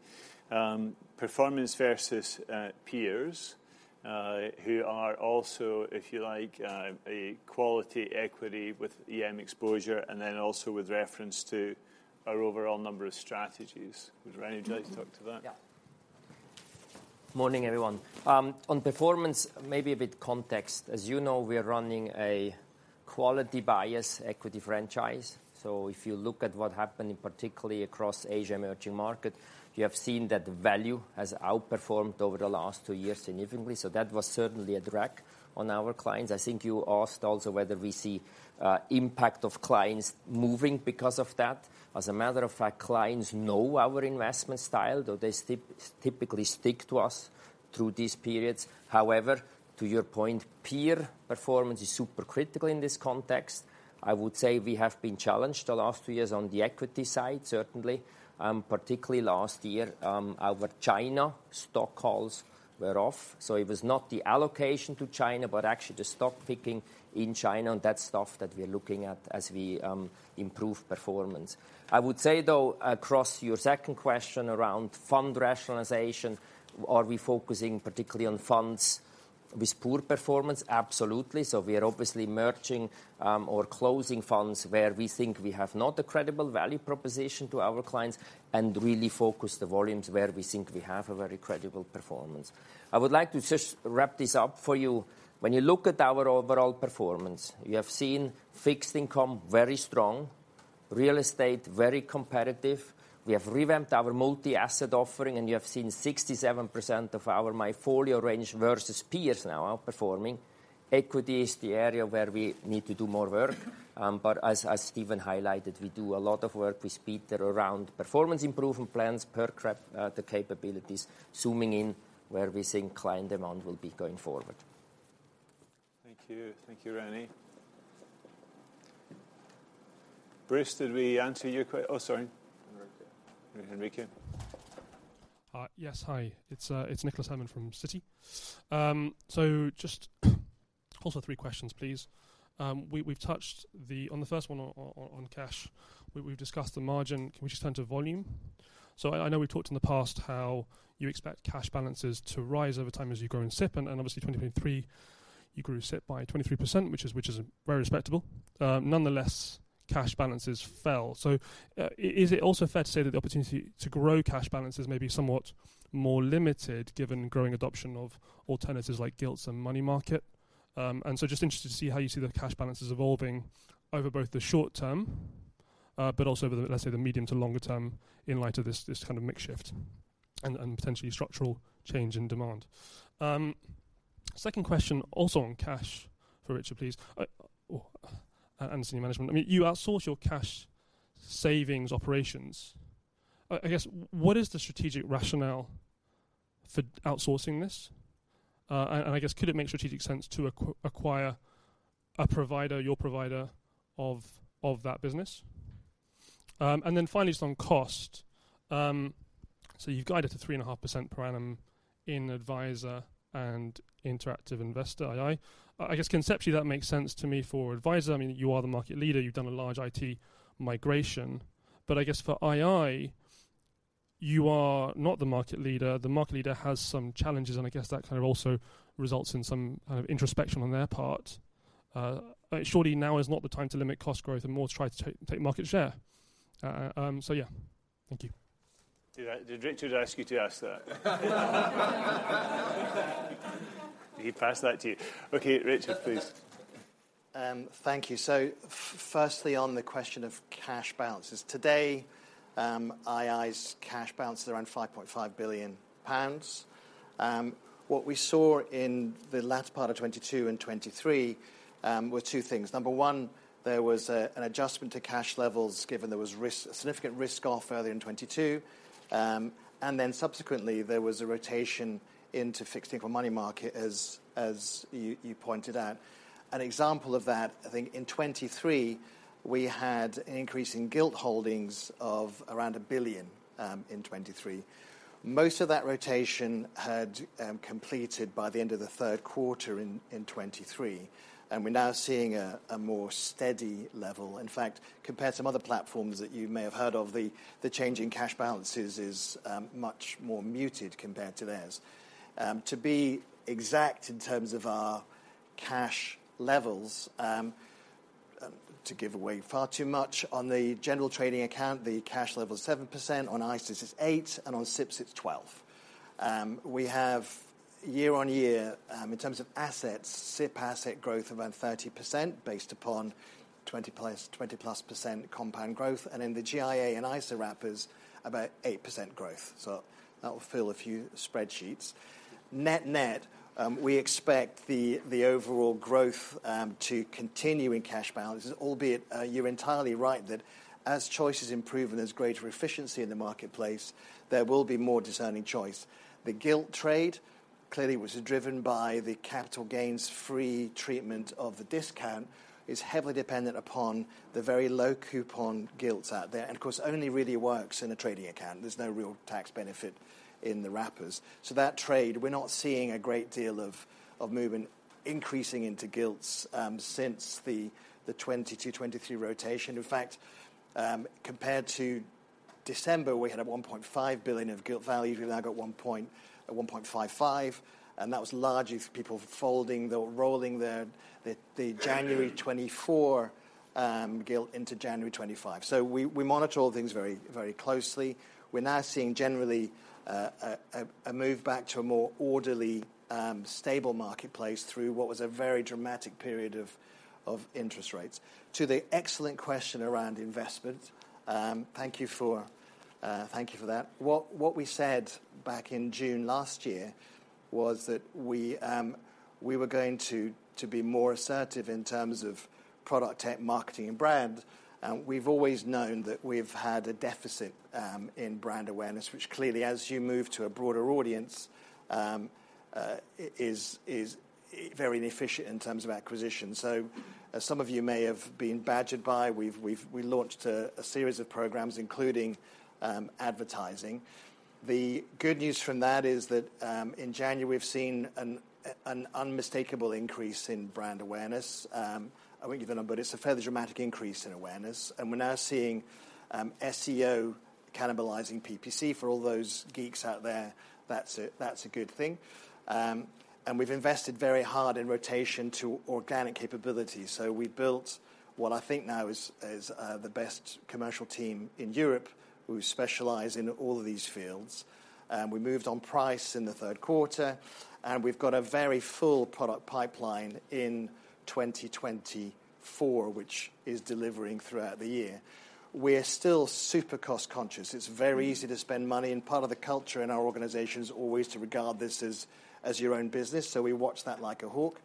Performance versus peers, who are also, if you like, a quality equity with EM exposure and then also with reference to our overall number of strategies. Would René like to talk to that? Yeah. Morning, everyone. On performance, maybe a bit of context. As you know, we are running a quality bias equity franchise. So if you look at what happened, particularly across Asia emerging markets, you have seen that value has outperformed over the last two years significantly. So that was certainly a drag on our clients. I think you asked also whether we see impact of clients moving because of that. As a matter of fact, clients know our investment style, though they typically stick to us through these periods. However, to your point, peer performance is super critical in this context. I would say we have been challenged the last two years on the equity side, certainly, particularly last year. Our China stock calls were off. So it was not the allocation to China, but actually the stock picking in China and that stuff that we're looking at as we improve performance. I would say, though, across your second question around fund rationalization, are we focusing particularly on funds with poor performance? Absolutely. So we are obviously merging or closing funds where we think we have not a credible value proposition to our clients and really focus the volumes where we think we have a very credible performance. I would like to just wrap this up for you. When you look at our overall performance, you have seen fixed income very strong, real estate very competitive. We have revamped our multi-asset offering, and you have seen 67% of our MyFolio range versus peers now outperforming. Equity is the area where we need to do more work. As Stephen highlighted, we do a lot of work with Peter around performance improvement plans, perk up the capabilities, zooming in where we think client demand will be going forward. Thank you. Thank you, Ren`e. `Bruce, did we answer your question? Oh, sorry. Enrico. Enrico? Yes, hi. It's Nicholas Herman from Citi. So just also three questions, please. On the first one on cash, we've discussed the margin. Can we just turn to volume? So I know we've talked in the past how you expect cash balances to rise over time as you grow in SIPP. And obviously, 2023, you grew SIPP by 23%, which is very respectable. Nonetheless, cash balances fell. So is it also fair to say that the opportunity to grow cash balances may be somewhat more limited given growing adoption of alternatives like gilts and money market? And so just interested to see how you see the cash balances evolving over both the short term, but also over, let's say, the medium to longer term in light of this kind of mixed shift and potentially structural change in demand. Second question, also on cash for Richard, please. And senior management. I mean, you outsource your cash savings operations. I guess, what is the strategic rationale for outsourcing this? And I guess, could it make strategic sense to acquire a provider, your provider, of that business? And then finally, just on cost. So you've guided to 3.5% per annum in adviser and interactive investor, ii. I guess, conceptually, that makes sense to me for adviser. I mean, you are the market leader. You've done a large IT migration. But I guess for ii, you are not the market leader. The market leader has some challenges. And I guess that kind of also results in some kind of introspection on their part. Surely, now is not the time to limit cost growth and more to try to take market share. So yeah. Thank you. Did Richard ask you to ask that? He passed that to you. Okay, Richard, please. Thank you. So firstly, on the question of cash balances. Today, ii's cash balance is around 5.5 billion pounds. What we saw in the latter part of 2022 and 2023 were two things. Number one, there was an adjustment to cash levels given there was significant risk-off earlier in 2022. And then subsequently, there was a rotation into fixed income and money market, as you pointed out. An example of that, I think, in 2023, we had an increase in gilt holdings of around 1 billion in 2023. Most of that rotation had completed by the end of the third quarter in 2023. And we're now seeing a more steady level. In fact, compared to some other platforms that you may have heard of, the change in cash balances is much more muted compared to theirs. To be exact in terms of our cash levels, to give away far too much, on the general trading account, the cash level is 7%. On ISA, it's 8%. And on SIPP, it's 12%. We have, year-on-year, in terms of assets, SIPP asset growth of around 30% based upon 20+% compound growth. And in the GIA and ISA wrappers, about 8% growth. So that will fill a few spreadsheets. Net-net, we expect the overall growth to continue in cash balances, albeit you're entirely right that as choices improve and there's greater efficiency in the marketplace, there will be more discerning choice. The gilt trade, clearly, which is driven by the capital gains-free treatment of the discount, is heavily dependent upon the very low coupon gilts out there. And of course, only really works in a trading account. There's no real tax benefit in the wrappers. So that trade, we're not seeing a great deal of movement increasing into gilts since the 2022/2023 rotation. In fact, compared to December, we had a 1.5 billion of gilt value. We've now got 1.55 billion. And that was largely people rolling the January 2024 gilt into January 2025. So we monitor all things very closely. We're now seeing, generally, a move back to a more orderly, stable marketplace through what was a very dramatic period of interest rates. To the excellent question around investments, thank you for that. What we said back in June last year was that we were going to be more assertive in terms of product, tech, marketing, and brand. We've always known that we've had a deficit in brand awareness, which clearly, as you move to a broader audience, is very inefficient in terms of acquisition. So as some of you may have been badgered by, we launched a series of programs, including advertising. The good news from that is that in January, we've seen an unmistakable increase in brand awareness. I won't give the number, but it's a fairly dramatic increase in awareness. And we're now seeing SEO cannibalizing PPC. For all those geeks out there, that's a good thing. And we've invested very hard in rotation to organic capabilities. So we've built what I think now is the best commercial team in Europe, who specialize in all of these fields. We moved on price in the third quarter. And we've got a very full product pipeline in 2024, which is delivering throughout the year. We're still super cost-conscious. It's very easy to spend money. And part of the culture in our organization is always to regard this as your own business. So we watch that like a hawk.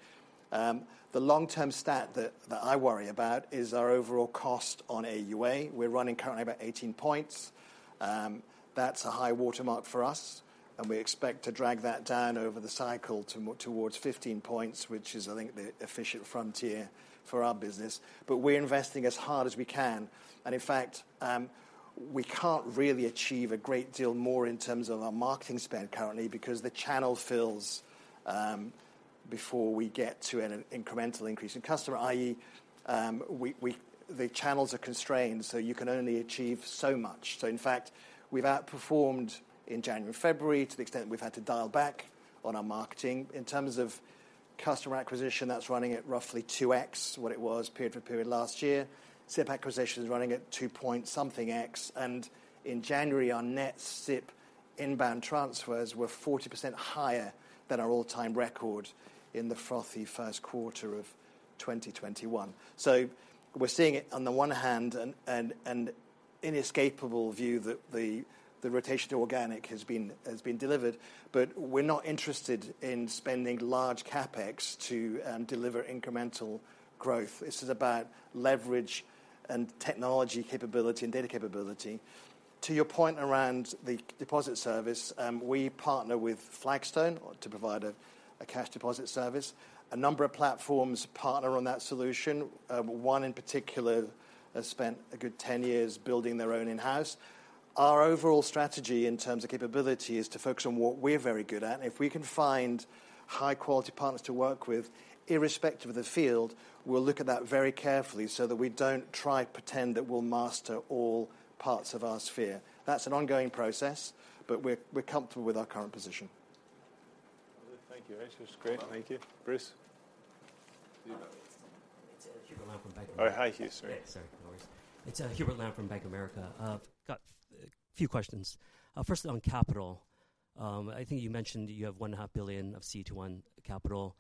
The long-term stat that I worry about is our overall cost on AUA. We're running currently about 18 points. That's a high watermark for us. We expect to drag that down over the cycle towards 15 points, which is, I think, the efficient frontier for our business. But we're investing as hard as we can. In fact, we can't really achieve a great deal more in terms of our marketing spend currently because the channel fills before we get to an incremental increase in customer, i.e., the channels are constrained. So you can only achieve so much. In fact, we've outperformed in January and February to the extent that we've had to dial back on our marketing. In terms of customer acquisition, that's running at roughly 2X what it was period for period last year. SIPP acquisition is running at 2.something x. In January, our net SIPP inbound transfers were 40% higher than our all-time record in the frothy first quarter of 2021. We're seeing it, on the one hand, an inescapable view that the rotation to organic has been delivered. We're not interested in spending large CapEx to deliver incremental growth. This is about leverage and technology capability and data capability. To your point around the deposit service, we partner with Flagstone to provide a cash deposit service. A number of platforms partner on that solution. One in particular has spent a good 10 years building their own in-house. Our overall strategy in terms of capability is to focus on what we're very good at. If we can find high-quality partners to work with, irrespective of the field, we'll look at that very carefully so that we don't try to pretend that we'll master all parts of our sphere. That's an ongoing process. We're comfortable with our current position. Thank you. It was great. Thank you. Bruce? It's Hubert Lam from Bank of America. Oh, hi, Hugh. Sorry. Yeah, sorry. No worries. It's Hubert Lam from Bank of America. Got a few questions. Firstly, on capital. I think you mentioned you have 1.5 billion of CET1 capital.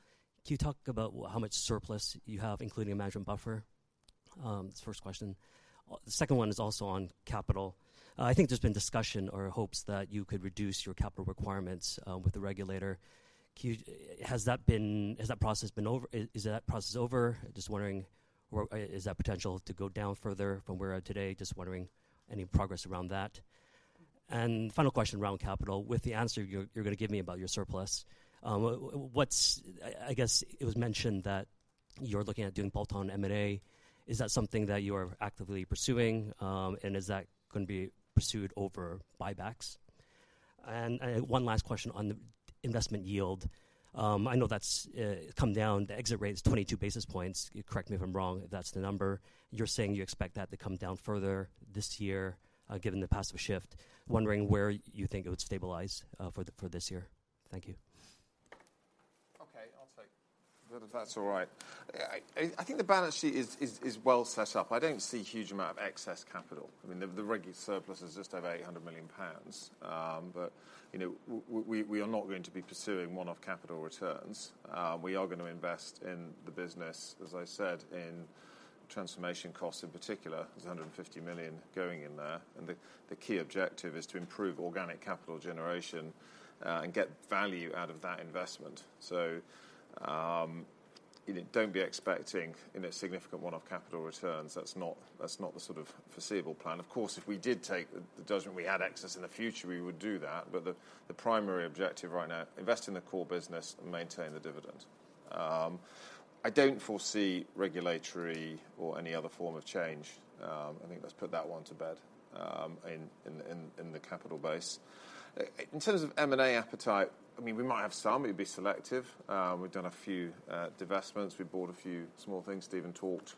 Can you talk about how much surplus you have, including a management buffer? That's the first question. The second one is also on capital. I think there's been discussion or hopes that you could reduce your capital requirements with the regulator. Has that process been over? Is that process over? Just wondering, is that potential to go down further from where we're at today? Just wondering any progress around that. And final question around capital. With the answer you're going to give me about your surplus, I guess it was mentioned that you're looking at doing bolt-on M&A. Is that something that you are actively pursuing? And is that going to be pursued over buybacks? One last question on the investment yield. I know that's come down. The exit rate is 22 basis points. Correct me if I'm wrong. That's the number. You're saying you expect that to come down further this year given the passive shift. Wondering where you think it would stabilize for this year? Thank you. OK, I'll take. That's all right. I think the balance sheet is well set up. I don't see a huge amount of excess capital. I mean, the regular surplus is just over 800 million pounds. But we are not going to be pursuing one-off capital returns. We are going to invest in the business, as I said, in transformation costs in particular. There's 150 million going in there. And the key objective is to improve organic capital generation and get value out of that investment. So don't be expecting significant one-off capital returns. That's not the sort of foreseeable plan. Of course, if we did take the judgment we had excess in the future, we would do that. But the primary objective right now, invest in the core business and maintain the dividend. I don't foresee regulatory or any other form of change. I think, let's put that one to bed in the capital base. In terms of M&A appetite, I mean, we might have some. It would be selective. We've done a few divestments. We bought a few small things. Stephen talked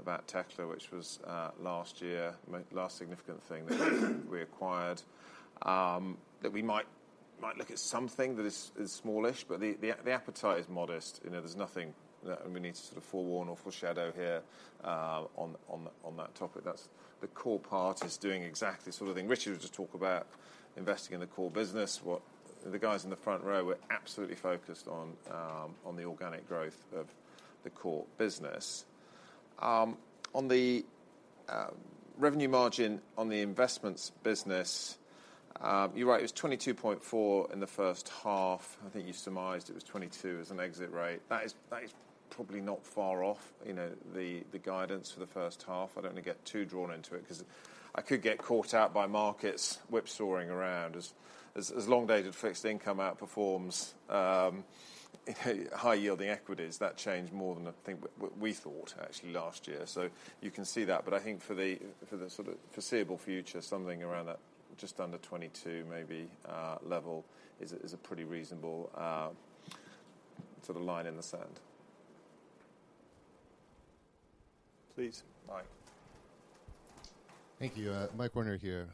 about Tekla, which was last year, the last significant thing that we acquired. We might look at something that is smallish. But the appetite is modest. There's nothing that we need to sort of forewarn or foreshadow here on that topic. The core part is doing exactly this sort of thing. Richard was just talking about investing in the core business. The guys in the front row were absolutely focused on the organic growth of the core business. On the revenue margin on the investments business, you're right. It was 22.4% in the first half. I think you surmised it was 22% as an exit rate. That is probably not far off the guidance for the first half. I don't want to get too drawn into it because I could get caught out by markets whipsawing around as long-dated fixed income outperforms high-yielding equities. That changed more than I think we thought, actually, last year. So you can see that. But I think for the sort of foreseeable future, something around that just under 22% maybe level is a pretty reasonable sort of line in the sand. Please. Mike. Thank you. Mike Werner here.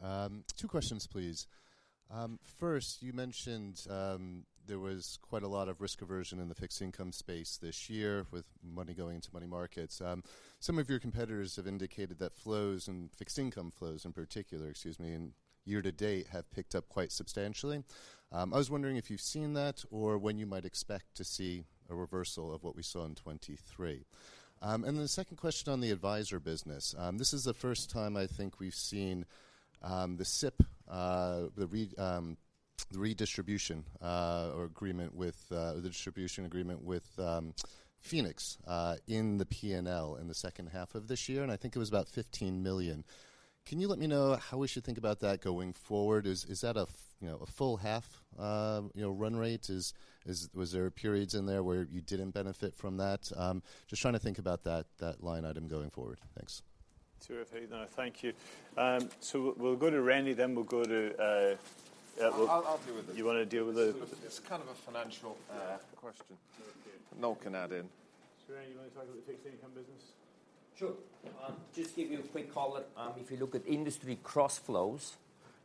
Two questions, please. First, you mentioned there was quite a lot of risk aversion in the fixed income space this year with money going into money markets. Some of your competitors have indicated that flows and fixed income flows in particular, excuse me, year to date have picked up quite substantially. I was wondering if you've seen that or when you might expect to see a reversal of what we saw in 2023. And then the second question on the adviser business. This is the first time, I think, we've seen the SIPP, the redistribution or distribution agreement with Phoenix in the P&L in the second half of this year. And I think it was about 15 million. Can you let me know how we should think about that going forward? Is that a full half run rate? Was there periods in there where you didn't benefit from that? Just trying to think about that line item going forward. Thanks. To Hugh. No. Thank you. We'll go to Randy. Then we'll go to. I'll deal with it. You want to deal with the. It's kind of a financial question. Noel can add in. Should Randy want to talk about the fixed income business? Sure. Just to give you a quick call. If you look at industry cross-flows,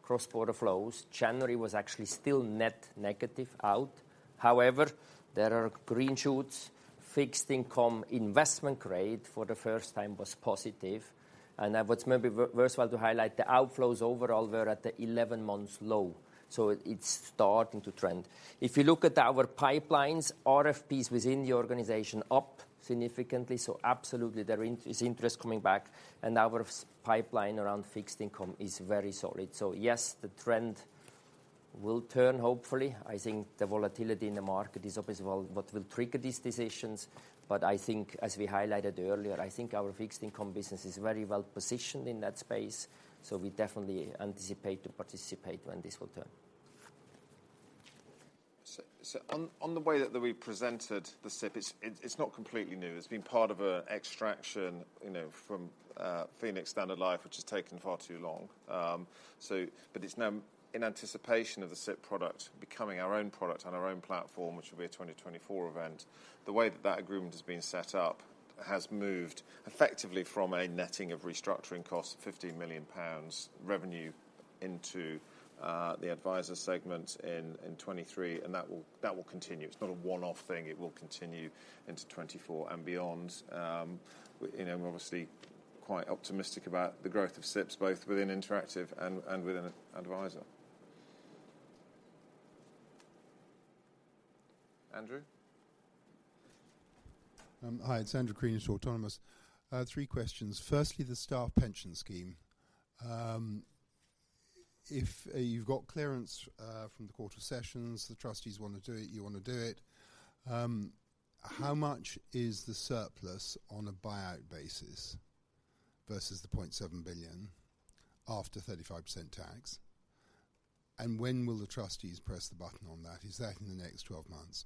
cross-border flows, January was actually still net negative out. However, there are green shoots. Fixed income investment rate for the first time was positive. And what's maybe worthwhile to highlight, the outflows overall were at the 11-month low. So it's starting to trend. If you look at our pipelines, RFPs within the organization are up significantly. So absolutely, there is interest coming back. And our pipeline around fixed income is very solid. So yes, the trend will turn, hopefully. I think the volatility in the market is obviously what will trigger these decisions. But I think, as we highlighted earlier, I think our fixed income business is very well positioned in that space. So we definitely anticipate to participate when this will turn. So on the way that we presented the SIPP, it's not completely new. It's been part of an extraction from Phoenix Standard Life, which has taken far too long. But it's now in anticipation of the SIPP product becoming our own product on our own platform, which will be a 2024 event. The way that that agreement has been set up has moved effectively from a netting of restructuring costs of 15 million pounds revenue into the Adviser segment in 2023. And that will continue. It's not a one-off thing. It will continue into 2024 and beyond. We're obviously quite optimistic about the growth of SIPPs, both within Interactive and within Adviser. Andrew? Hi. It's Andrew Crean, Autonomous. Three questions. Firstly, the staff pension scheme. If you've got clearance from the Court of Session, the trustees want to do it, you want to do it. How much is the surplus on a buyout basis versus the 0.7 billion after 35% tax? And when will the trustees press the button on that? Is that in the next 12 months?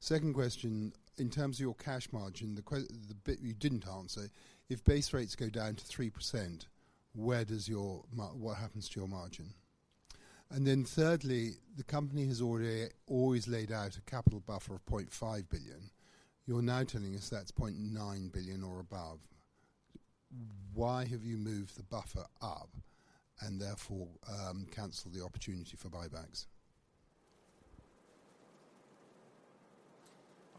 Second question. In terms of your cash margin, the bit you didn't answer, if base rates go down to 3%, what happens to your margin? And then thirdly, the company has always laid out a capital buffer of 0.5 billion. You're now telling us that's 0.9 billion or above. Why have you moved the buffer up and therefore cancelled the opportunity for buybacks?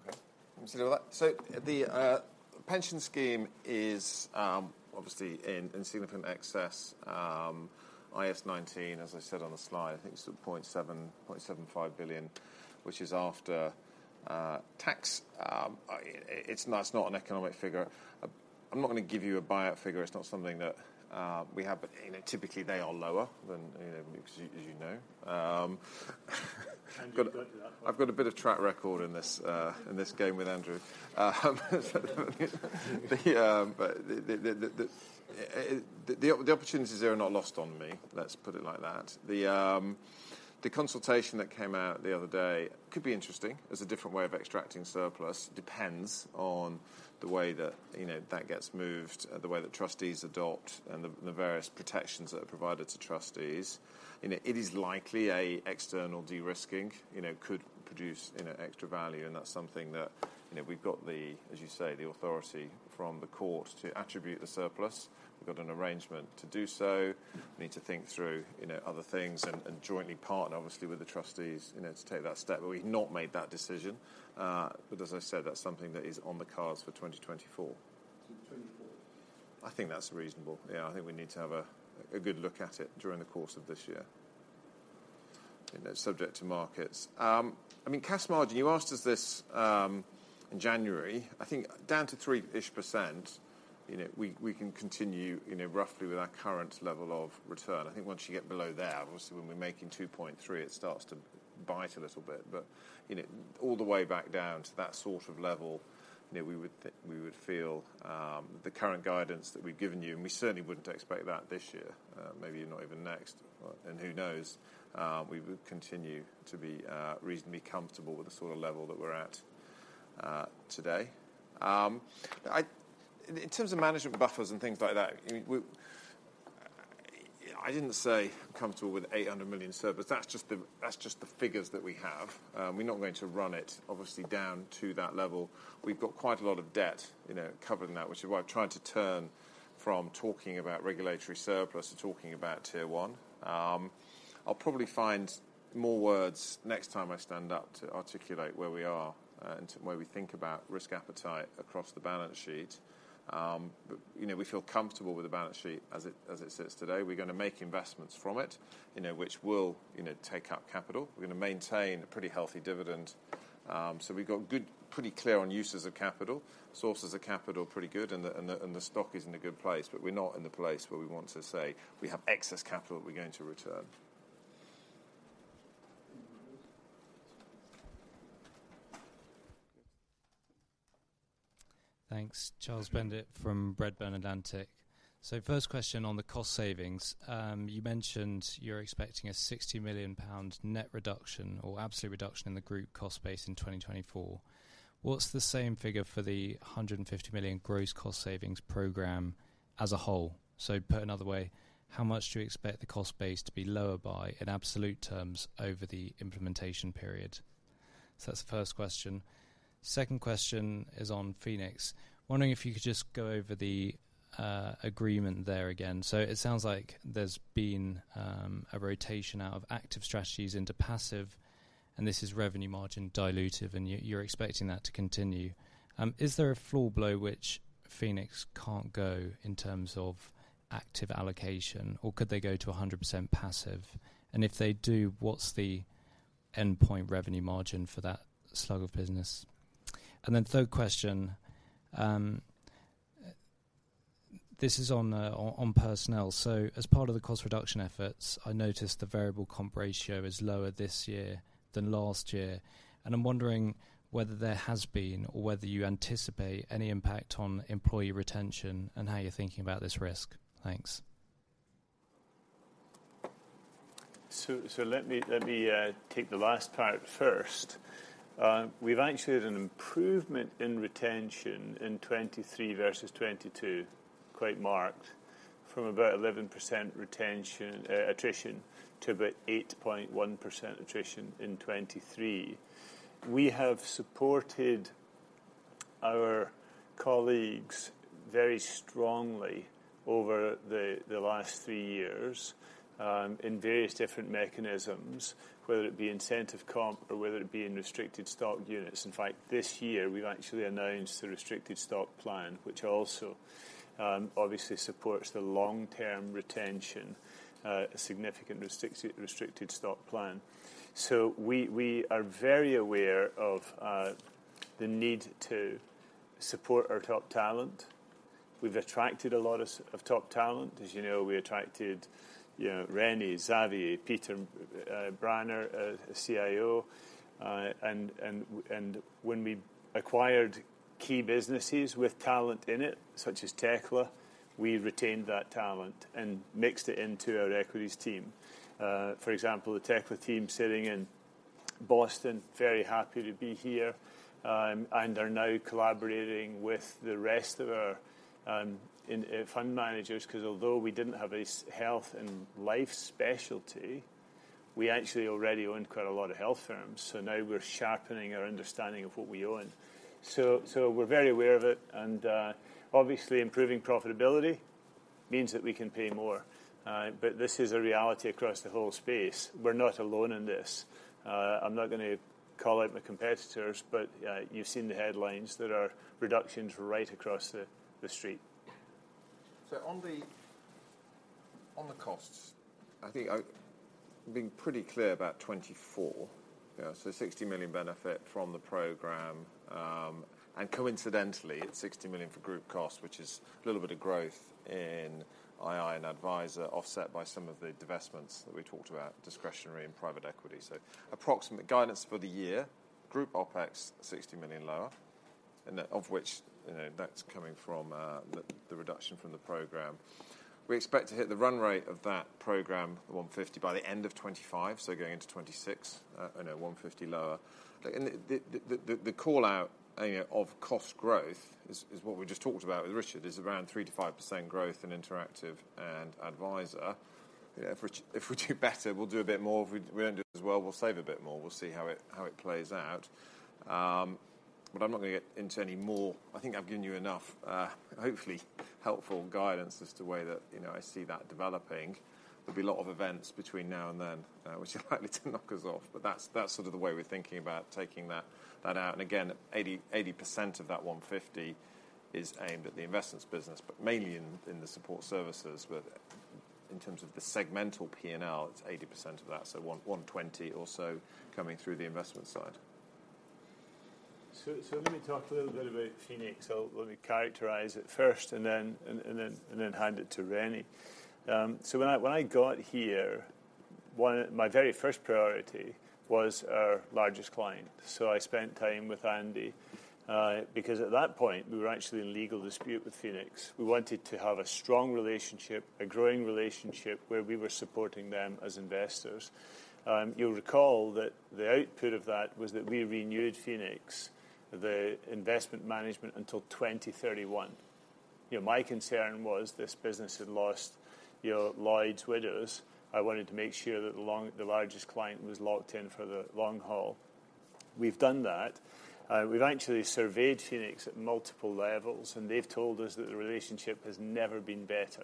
OK. Let me see, so the pension scheme is obviously in significant excess, IAS 19, as I said on the slide. I think it's 0.75 billion, which is after tax. It's not an economic figure. I'm not going to give you a buyout figure. It's not something that we have. But typically, they are lower, as you know. I've got a bit of track record in this game with Andrew. The opportunities there are not lost on me. Let's put it like that. The consultation that came out the other day could be interesting as a different way of extracting surplus. Depends on the way that that gets moved, the way that trustees adopt, and the various protections that are provided to trustees. It is likely an external de-risking could produce extra value. And that's something that we've got, as you say, the authority from the court to attribute the surplus. We've got an arrangement to do so. We need to think through other things and jointly partner, obviously, with the trustees to take that step. But we've not made that decision. But as I said, that's something that is on the cards for 2024. So 2024? I think that's reasonable. Yeah. I think we need to have a good look at it during the course of this year, subject to markets. I mean, cash margin, you asked us this in January. I think down to 3-ish%, we can continue roughly with our current level of return. I think once you get below that, obviously, when we're making 2.3%, it starts to bite a little bit. But all the way back down to that sort of level, we would feel the current guidance that we've given you and we certainly wouldn't expect that this year, maybe not even next. And who knows? We would continue to be reasonably comfortable with the sort of level that we're at today. In terms of management buffers and things like that, I didn't say I'm comfortable with $800 million surplus. That's just the figures that we have. We're not going to run it, obviously, down to that level. We've got quite a lot of debt covering that, which is why I've tried to turn from talking about regulatory surplus to talking about tier one. I'll probably find more words next time I stand up to articulate where we are and where we think about risk appetite across the balance sheet. But we feel comfortable with the balance sheet as it sits today. We're going to make investments from it, which will take up capital. We're going to maintain a pretty healthy dividend. So we've got pretty clear on uses of capital, sources of capital pretty good. And the stock is in a good place. But we're not in the place where we want to say we have excess capital that we're going to return. Thanks. Charles Sheridan from Redburn Atlantic. First question on the cost savings. You mentioned you're expecting a 60 million pound net reduction or absolute reduction in the group cost base in 2024. What's the same figure for the $150 million gross cost savings program as a whole? Put another way, how much do you expect the cost base to be lower by in absolute terms over the implementation period? That's the first question. Second question is on Phoenix. Wondering if you could just go over the agreement there again. It sounds like there's been a rotation out of active strategies into passive. And this is revenue margin dilutive. And you're expecting that to continue. Is there a floor below which Phoenix can't go in terms of active allocation? Or could they go to 100% passive? And if they do, what's the endpoint revenue margin for that slug of business? And then third question. This is on personnel. So as part of the cost reduction efforts, I noticed the variable comp ratio is lower this year than last year. And I'm wondering whether there has been or whether you anticipate any impact on employee retention and how you're thinking about this risk. Thanks. So let me take the last part first. We've actually had an improvement in retention in 2023 versus 2022, quite marked, from about 11% attrition to about 8.1% attrition in 2023. We have supported our colleagues very strongly over the last three years in various different mechanisms, whether it be incentive comp or whether it be in restricted stock units. In fact, this year, we've actually announced the restricted stock plan, which also obviously supports the long-term retention, a significant restricted stock plan. So we are very aware of the need to support our top talent. We've attracted a lot of top talent. As you know, we attracted Rennie, Xavier, Peter Branner, a CIO. And when we acquired key businesses with talent in it, such as Tekla, we retained that talent and mixed it into our equities team. For example, the Tekla team sitting in Boston, very happy to be here, and are now collaborating with the rest of our fund managers because although we didn't have a health and life specialty, we actually already own quite a lot of health firms. So now we're sharpening our understanding of what we own. So we're very aware of it. And obviously, improving profitability means that we can pay more. But this is a reality across the whole space. We're not alone in this. I'm not going to call out my competitors. But you've seen the headlines. There are reductions right across the street. So on the costs, I think being pretty clear about 2024, so $60 million benefit from the program. And coincidentally, it's $60 million for group costs, which is a little bit of growth in ii and Adviser offset by some of the divestments that we talked about, discretionary and private equity. So approximate guidance for the year, group OpEx 60 million lower, of which that's coming from the reduction from the program. We expect to hit the run rate of that program, the $150 million, by the end of 2025, so going into 2026, $150 million lower. And the callout of cost growth is what we just talked about with Richard, is around 3%-5% growth in Interactive and Adviser. If we do better, we'll do a bit more. If we don't do as well, we'll save a bit more. We'll see how it plays out. But I'm not going to get into any more I think I've given you enough, hopefully, helpful guidance as to the way that I see that developing. There'll be a lot of events between now and then, which are likely to knock us off. But that's sort of the way we're thinking about taking that out. And again, 80% of that 150 is aimed at the investments business, but mainly in the support services. But in terms of the segmental P&L, it's 80% of that, so 120 or so coming through the investment side. So let me talk a little bit about Phoenix. So let me characterize it first and then hand it to René. So when I got here, my very first priority was our largest client. So I spent time with Andy because at that point, we were actually in legal dispute with Phoenix. We wanted to have a strong relationship, a growing relationship, where we were supporting them as investors. You'll recall that the output of that was that we renewed Phoenix, the investment management, until 2031. My concern was this business had lost Lloyds, Widows. I wanted to make sure that the largest client was locked in for the long haul. We've done that. We've actually surveyed Phoenix at multiple levels. And they've told us that the relationship has never been better.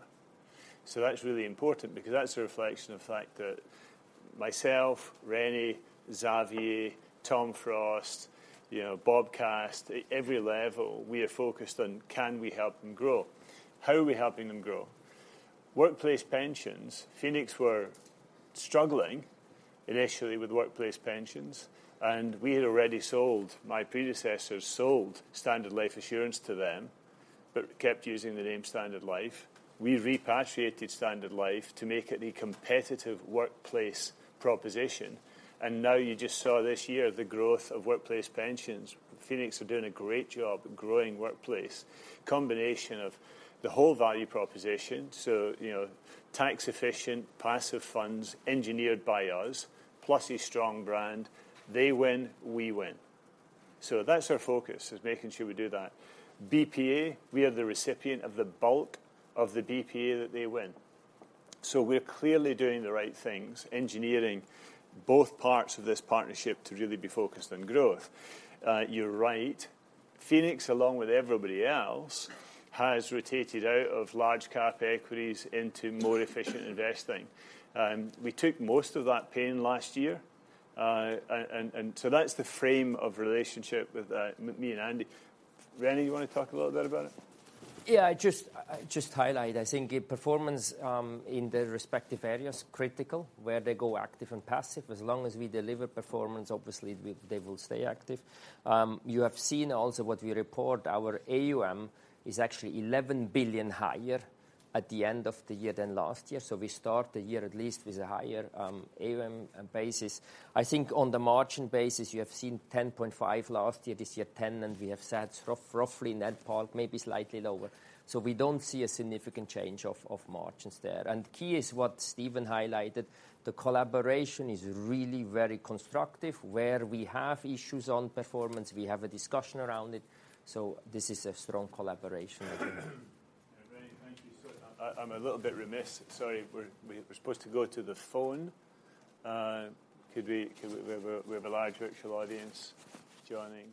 So that's really important because that's a reflection of the fact that myself, René, Xavier, Tom Frost, Bob Cast, every level, we are focused on, can we help them grow? How are we helping them grow? Workplace pensions, Phoenix were struggling initially with workplace pensions. And we had already sold. My predecessors sold Standard Life Assurance to them but kept using the name Standard Life. We repatriated Standard Life to make it a competitive workplace proposition. And now you just saw this year the growth of workplace pensions. Phoenix are doing a great job growing workplace, combination of the whole value proposition, so tax-efficient, passive funds, engineered by us, plus a strong brand. They win. We win. So that's our focus, is making sure we do that. BPA, we are the recipient of the bulk of the BPA that they win. So we're clearly doing the right things, engineering both parts of this partnership to really be focused on growth. You're right. Phoenix, along with everybody else, has rotated out of large-cap equities into more efficient investing. We took most of that pain last year. And so that's the frame of relationship with me and Andy. René, you want to talk a little bit about it? Yeah. I'd just highlight, I think, performance in their respective areas is critical, where they go active and passive. As long as we deliver performance, obviously, they will stay active. You have seen also what we report. Our AUM is actually 11 billion higher at the end of the year than last year. So we start the year at least with a higher AUM basis. I think on the margin basis, you have seen 10.5% last year, this year 10%. And we have sat roughly in that park, maybe slightly lower. So we don't see a significant change of margins there. And key is what Stephen highlighted. The collaboration is really very constructive. Where we have issues on performance, we have a discussion around it. So this is a strong collaboration, I think. René, thank you. I'm a little bit remiss. Sorry. We're supposed to go to the phone. We have a large virtual audience joining.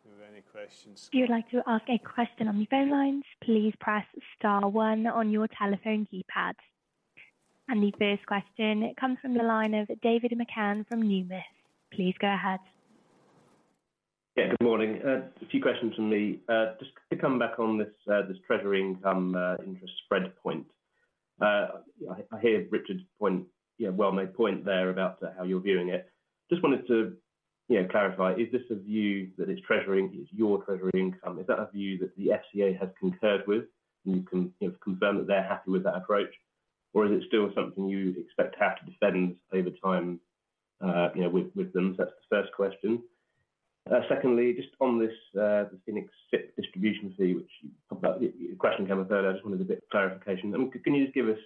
Do we have any questions? If you'd like to ask a question on the phone lines, please press star 1 on your telephone keypad. The first question comes from the line of David McCann from Numis. Please go ahead. Yeah. Good morning. A few questions from me. Just to come back on this treasury income interest spread point. I hear Richard's well-made point there about how you're viewing it. Just wanted to clarify. Is this a view that it's your treasury income? Is that a view that the FCA has concurred with and you've confirmed that they're happy with that approach? Or is it still something you expect to have to defend over time with them? So that's the first question. Secondly, just on this Phoenix SIPP distribution fee, which you questioned kind of earlier, I just wanted a bit of clarification. Can you just give us,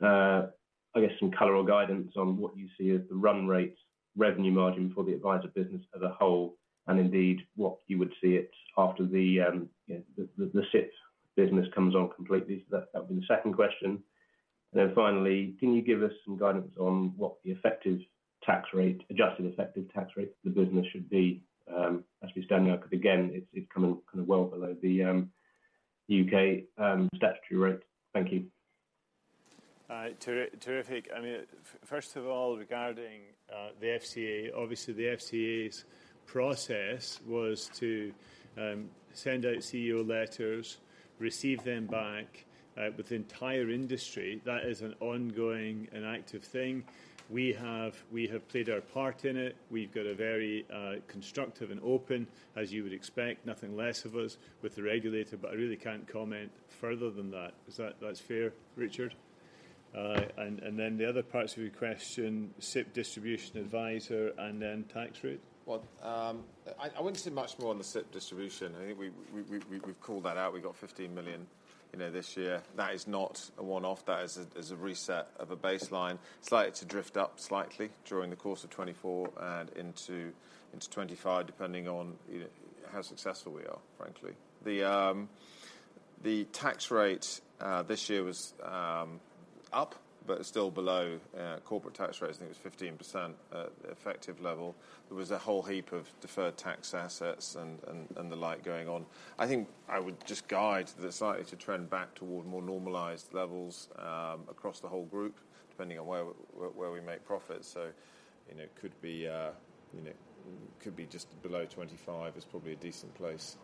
I guess, some color or guidance on what you see as the run rate revenue margin for the adviser business as a whole and indeed what you would see it after the SIPP business comes on completely? That would be the second question. Then finally, can you give us some guidance on what the adjusted effective tax rate for the business should be as we stand now? Because again, it's coming kind of well below the U.K. statutory rate. Thank you. Terrific. I mean, first of all, regarding the FCA, obviously, the FCA's process was to send out CEO letters, receive them back with the entire industry. That is an ongoing, an active thing. We have played our part in it. We've got a very constructive and open, as you would expect, nothing less of us with the regulator. But I really can't comment further than that. Is that fair, Richard? And then the other parts of your question, SIPP distribution adviser and then tax rate? Well, I wouldn't say much more on the SIPP distribution. I think we've called that out. We got $15 million this year. That is not a one-off. That is a reset of a baseline, slightly to drift up slightly during the course of 2024 and into 2025, depending on how successful we are, frankly. The tax rate this year was up but still below corporate tax rates. I think it was 15% effective level. There was a whole heap of deferred tax assets and the like going on. I think I would just guide that it's likely to trend back toward more normalized levels across the whole group, depending on where we make profits. So it could be just below 25% is probably a decent place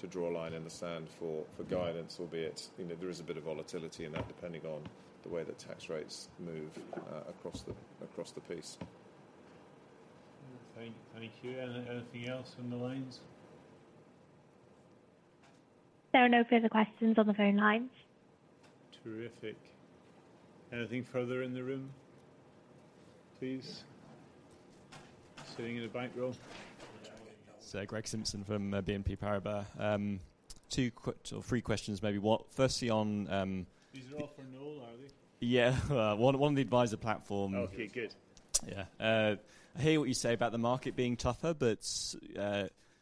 to draw a line in the sand for guidance, albeit there is a bit of volatility in that, depending on the way that tax rates move across the piece. Thank you. Anything else in the lines? There are no further questions on the phone lines. Terrific. Anything further in the room, please, sitting in the back row? So Greg Simpson from BNP Paribas. Two or three questions, maybe. Firstly, on. These are all for Noel, are they? Yeah. One of the adviser platform. Oh, OK. Good. Yeah. I hear what you say about the market being tougher. But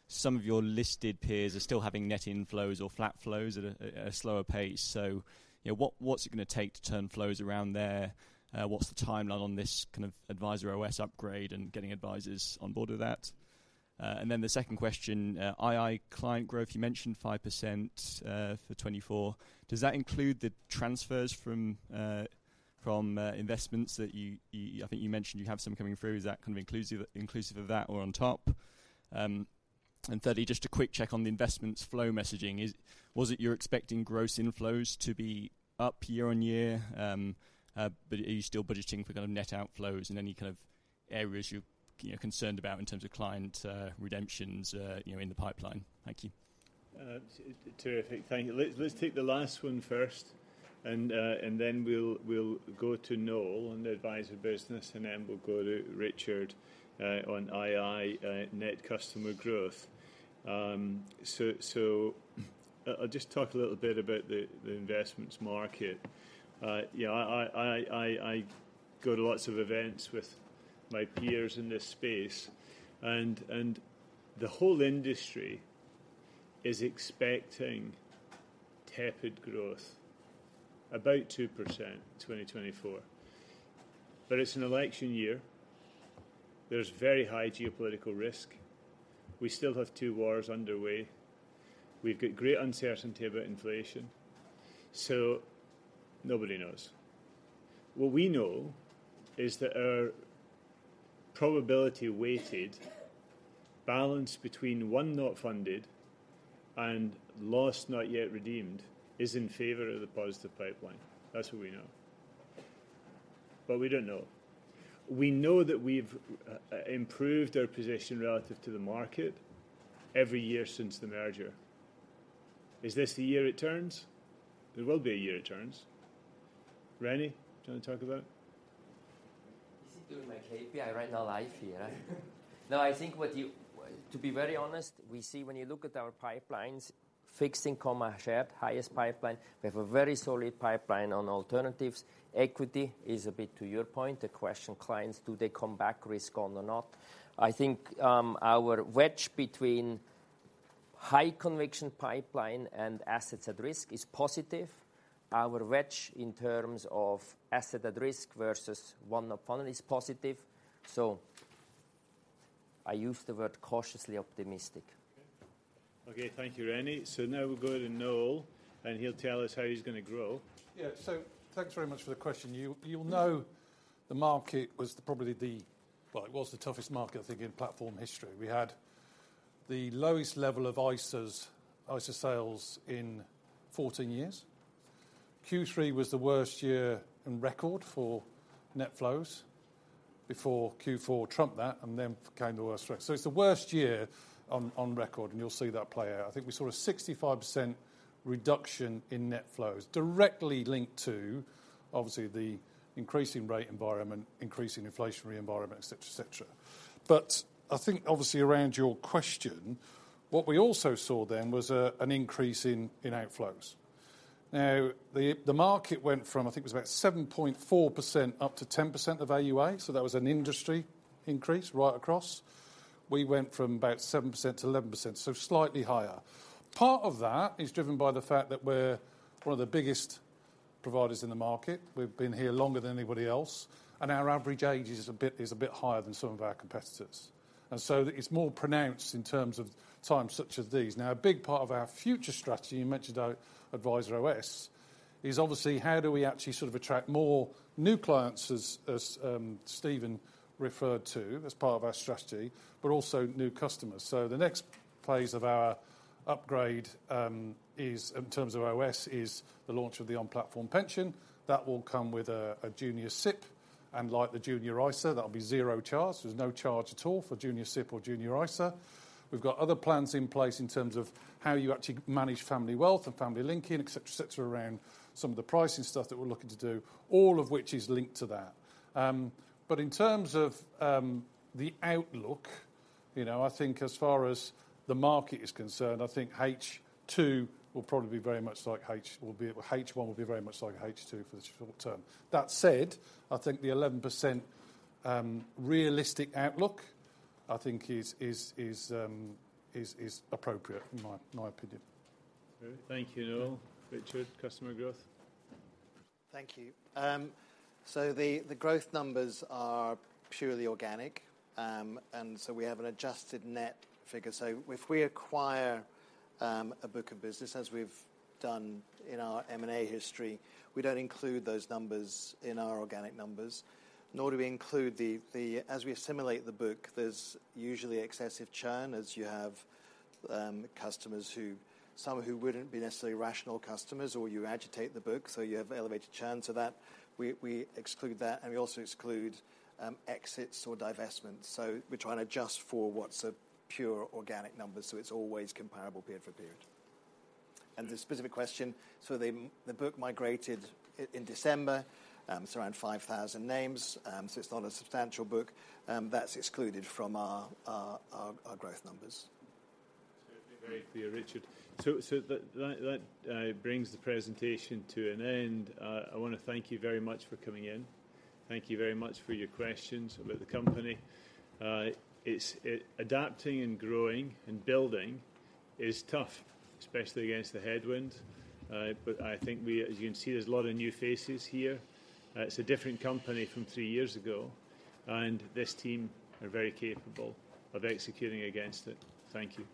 some of your listed peers are still having net inflows or flat flows at a slower pace. So what's it going to take to turn flows around there? What's the timeline on this kind of AdviserOS upgrade and getting advisers on board with that? And then the second question, II client growth, you mentioned 5% for 2024. Does that include the transfers from investments that you I think you mentioned you have some coming through. Is that kind of inclusive of that or on top? And thirdly, just a quick check on the investments flow messaging. Was it you're expecting gross inflows to be up year on year? But are you still budgeting for kind of net outflows in any kind of areas you're concerned about in terms of client redemptions in the pipeline? Thank you. Terrific. Thank you. Let's take the last one first. And then we'll go to Noel on the adviser business. And then we'll go to Richard on ii net customer growth. So I'll just talk a little bit about the investments market. I go to lots of events with my peers in this space. And the whole industry is expecting tepid growth, about 2% in 2024. But it's an election year. There's very high geopolitical risk. We still have two wars underway. We've got great uncertainty about inflation. So nobody knows. What we know is that our probability-weighted balance between one not funded and lost, not yet redeemed is in favor of the positive pipeline. That's what we know. But we don't know. We know that we've improved our position relative to the market every year since the merger. Is this the year it turns? There will be a year it turns. René, do you want to talk about it? Is it doing my KPI right now live here? No, I think what you to be very honest, we see when you look at our pipelines, fixed income share, highest pipeline. We have a very solid pipeline on alternatives. Equity is a bit, to your point, the question clients, do they come back risk-on or not? I think our wedge between high-conviction pipeline and assets at risk is positive. Our wedge in terms of asset at risk versus one not funded is positive. So I use the word cautiously optimistic. OK. Thank you, Rennie. So now we'll go to Noel. And he'll tell us how he's going to grow. Yeah. So thanks very much for the question. You'll know the market was probably the, well, it was the toughest market, I think, in platform history. We had the lowest level of ISA sales in 14 years. Q3 was the worst year in record for net flows before Q4 trumped that. And then came the worst streak. So it's the worst year on record. And you'll see that play out. I think we saw a 65% reduction in net flows directly linked to, obviously, the increasing rate environment, increasing inflationary environment, et cetera, et cetera. But I think, obviously, around your question, what we also saw then was an increase in outflows. Now, the market went from, I think it was about 7.4%-10% of AUA. So that was an industry increase right across. We went from about 7%-11%, so slightly higher. Part of that is driven by the fact that we're one of the biggest providers in the market. We've been here longer than anybody else. Our average age is a bit higher than some of our competitors. So it's more pronounced in terms of times such as these. Now, a big part of our future strategy, you mentioned AdviserOS, is obviously, how do we actually sort of attract more new clients, as Stephen referred to as part of our strategy, but also new customers? The next phase of our upgrade in terms of OS is the launch of the on-platform pension. That will come with a Junior SIPP. And like the Junior ISA, that will be zero charge. There's no charge at all for Junior SIPP or Junior ISA. We've got other plans in place in terms of how you actually manage family wealth and family linking, et cetera, et cetera, around some of the pricing stuff that we're looking to do, all of which is linked to that. But in terms of the outlook, I think as far as the market is concerned, I think H2 will probably be very much like H1 will be very much like H2 for the short term. That said, I think the 11% realistic outlook, I think, is appropriate, in my opinion. Thank you, Noel. Richard, customer growth. Thank you. So the growth numbers are purely organic. And so we have an adjusted net figure. So if we acquire a book of business, as we've done in our M&A history, we don't include those numbers in our organic numbers. Nor do we include, as we assimilate the book, there's usually excessive churn, as you have customers, some who wouldn't be necessarily rational customers, or you agitate the book. So you have elevated churn. So we exclude that. And we also exclude exits or divestments. So we're trying to adjust for what's a pure organic number. So it's always comparable period for period. And the specific question, so the book migrated in December. It's around 5,000 names. So it's not a substantial book. That's excluded from our growth numbers. Terrific, very clear, Richard. So that brings the presentation to an end. I want to thank you very much for coming in. Thank you very much for your questions about the company. It's adapting and growing and building is tough, especially against the headwinds. But I think we, as you can see, there's a lot of new faces here. It's a different company from three years ago. And this team are very capable of executing against it. Thank you.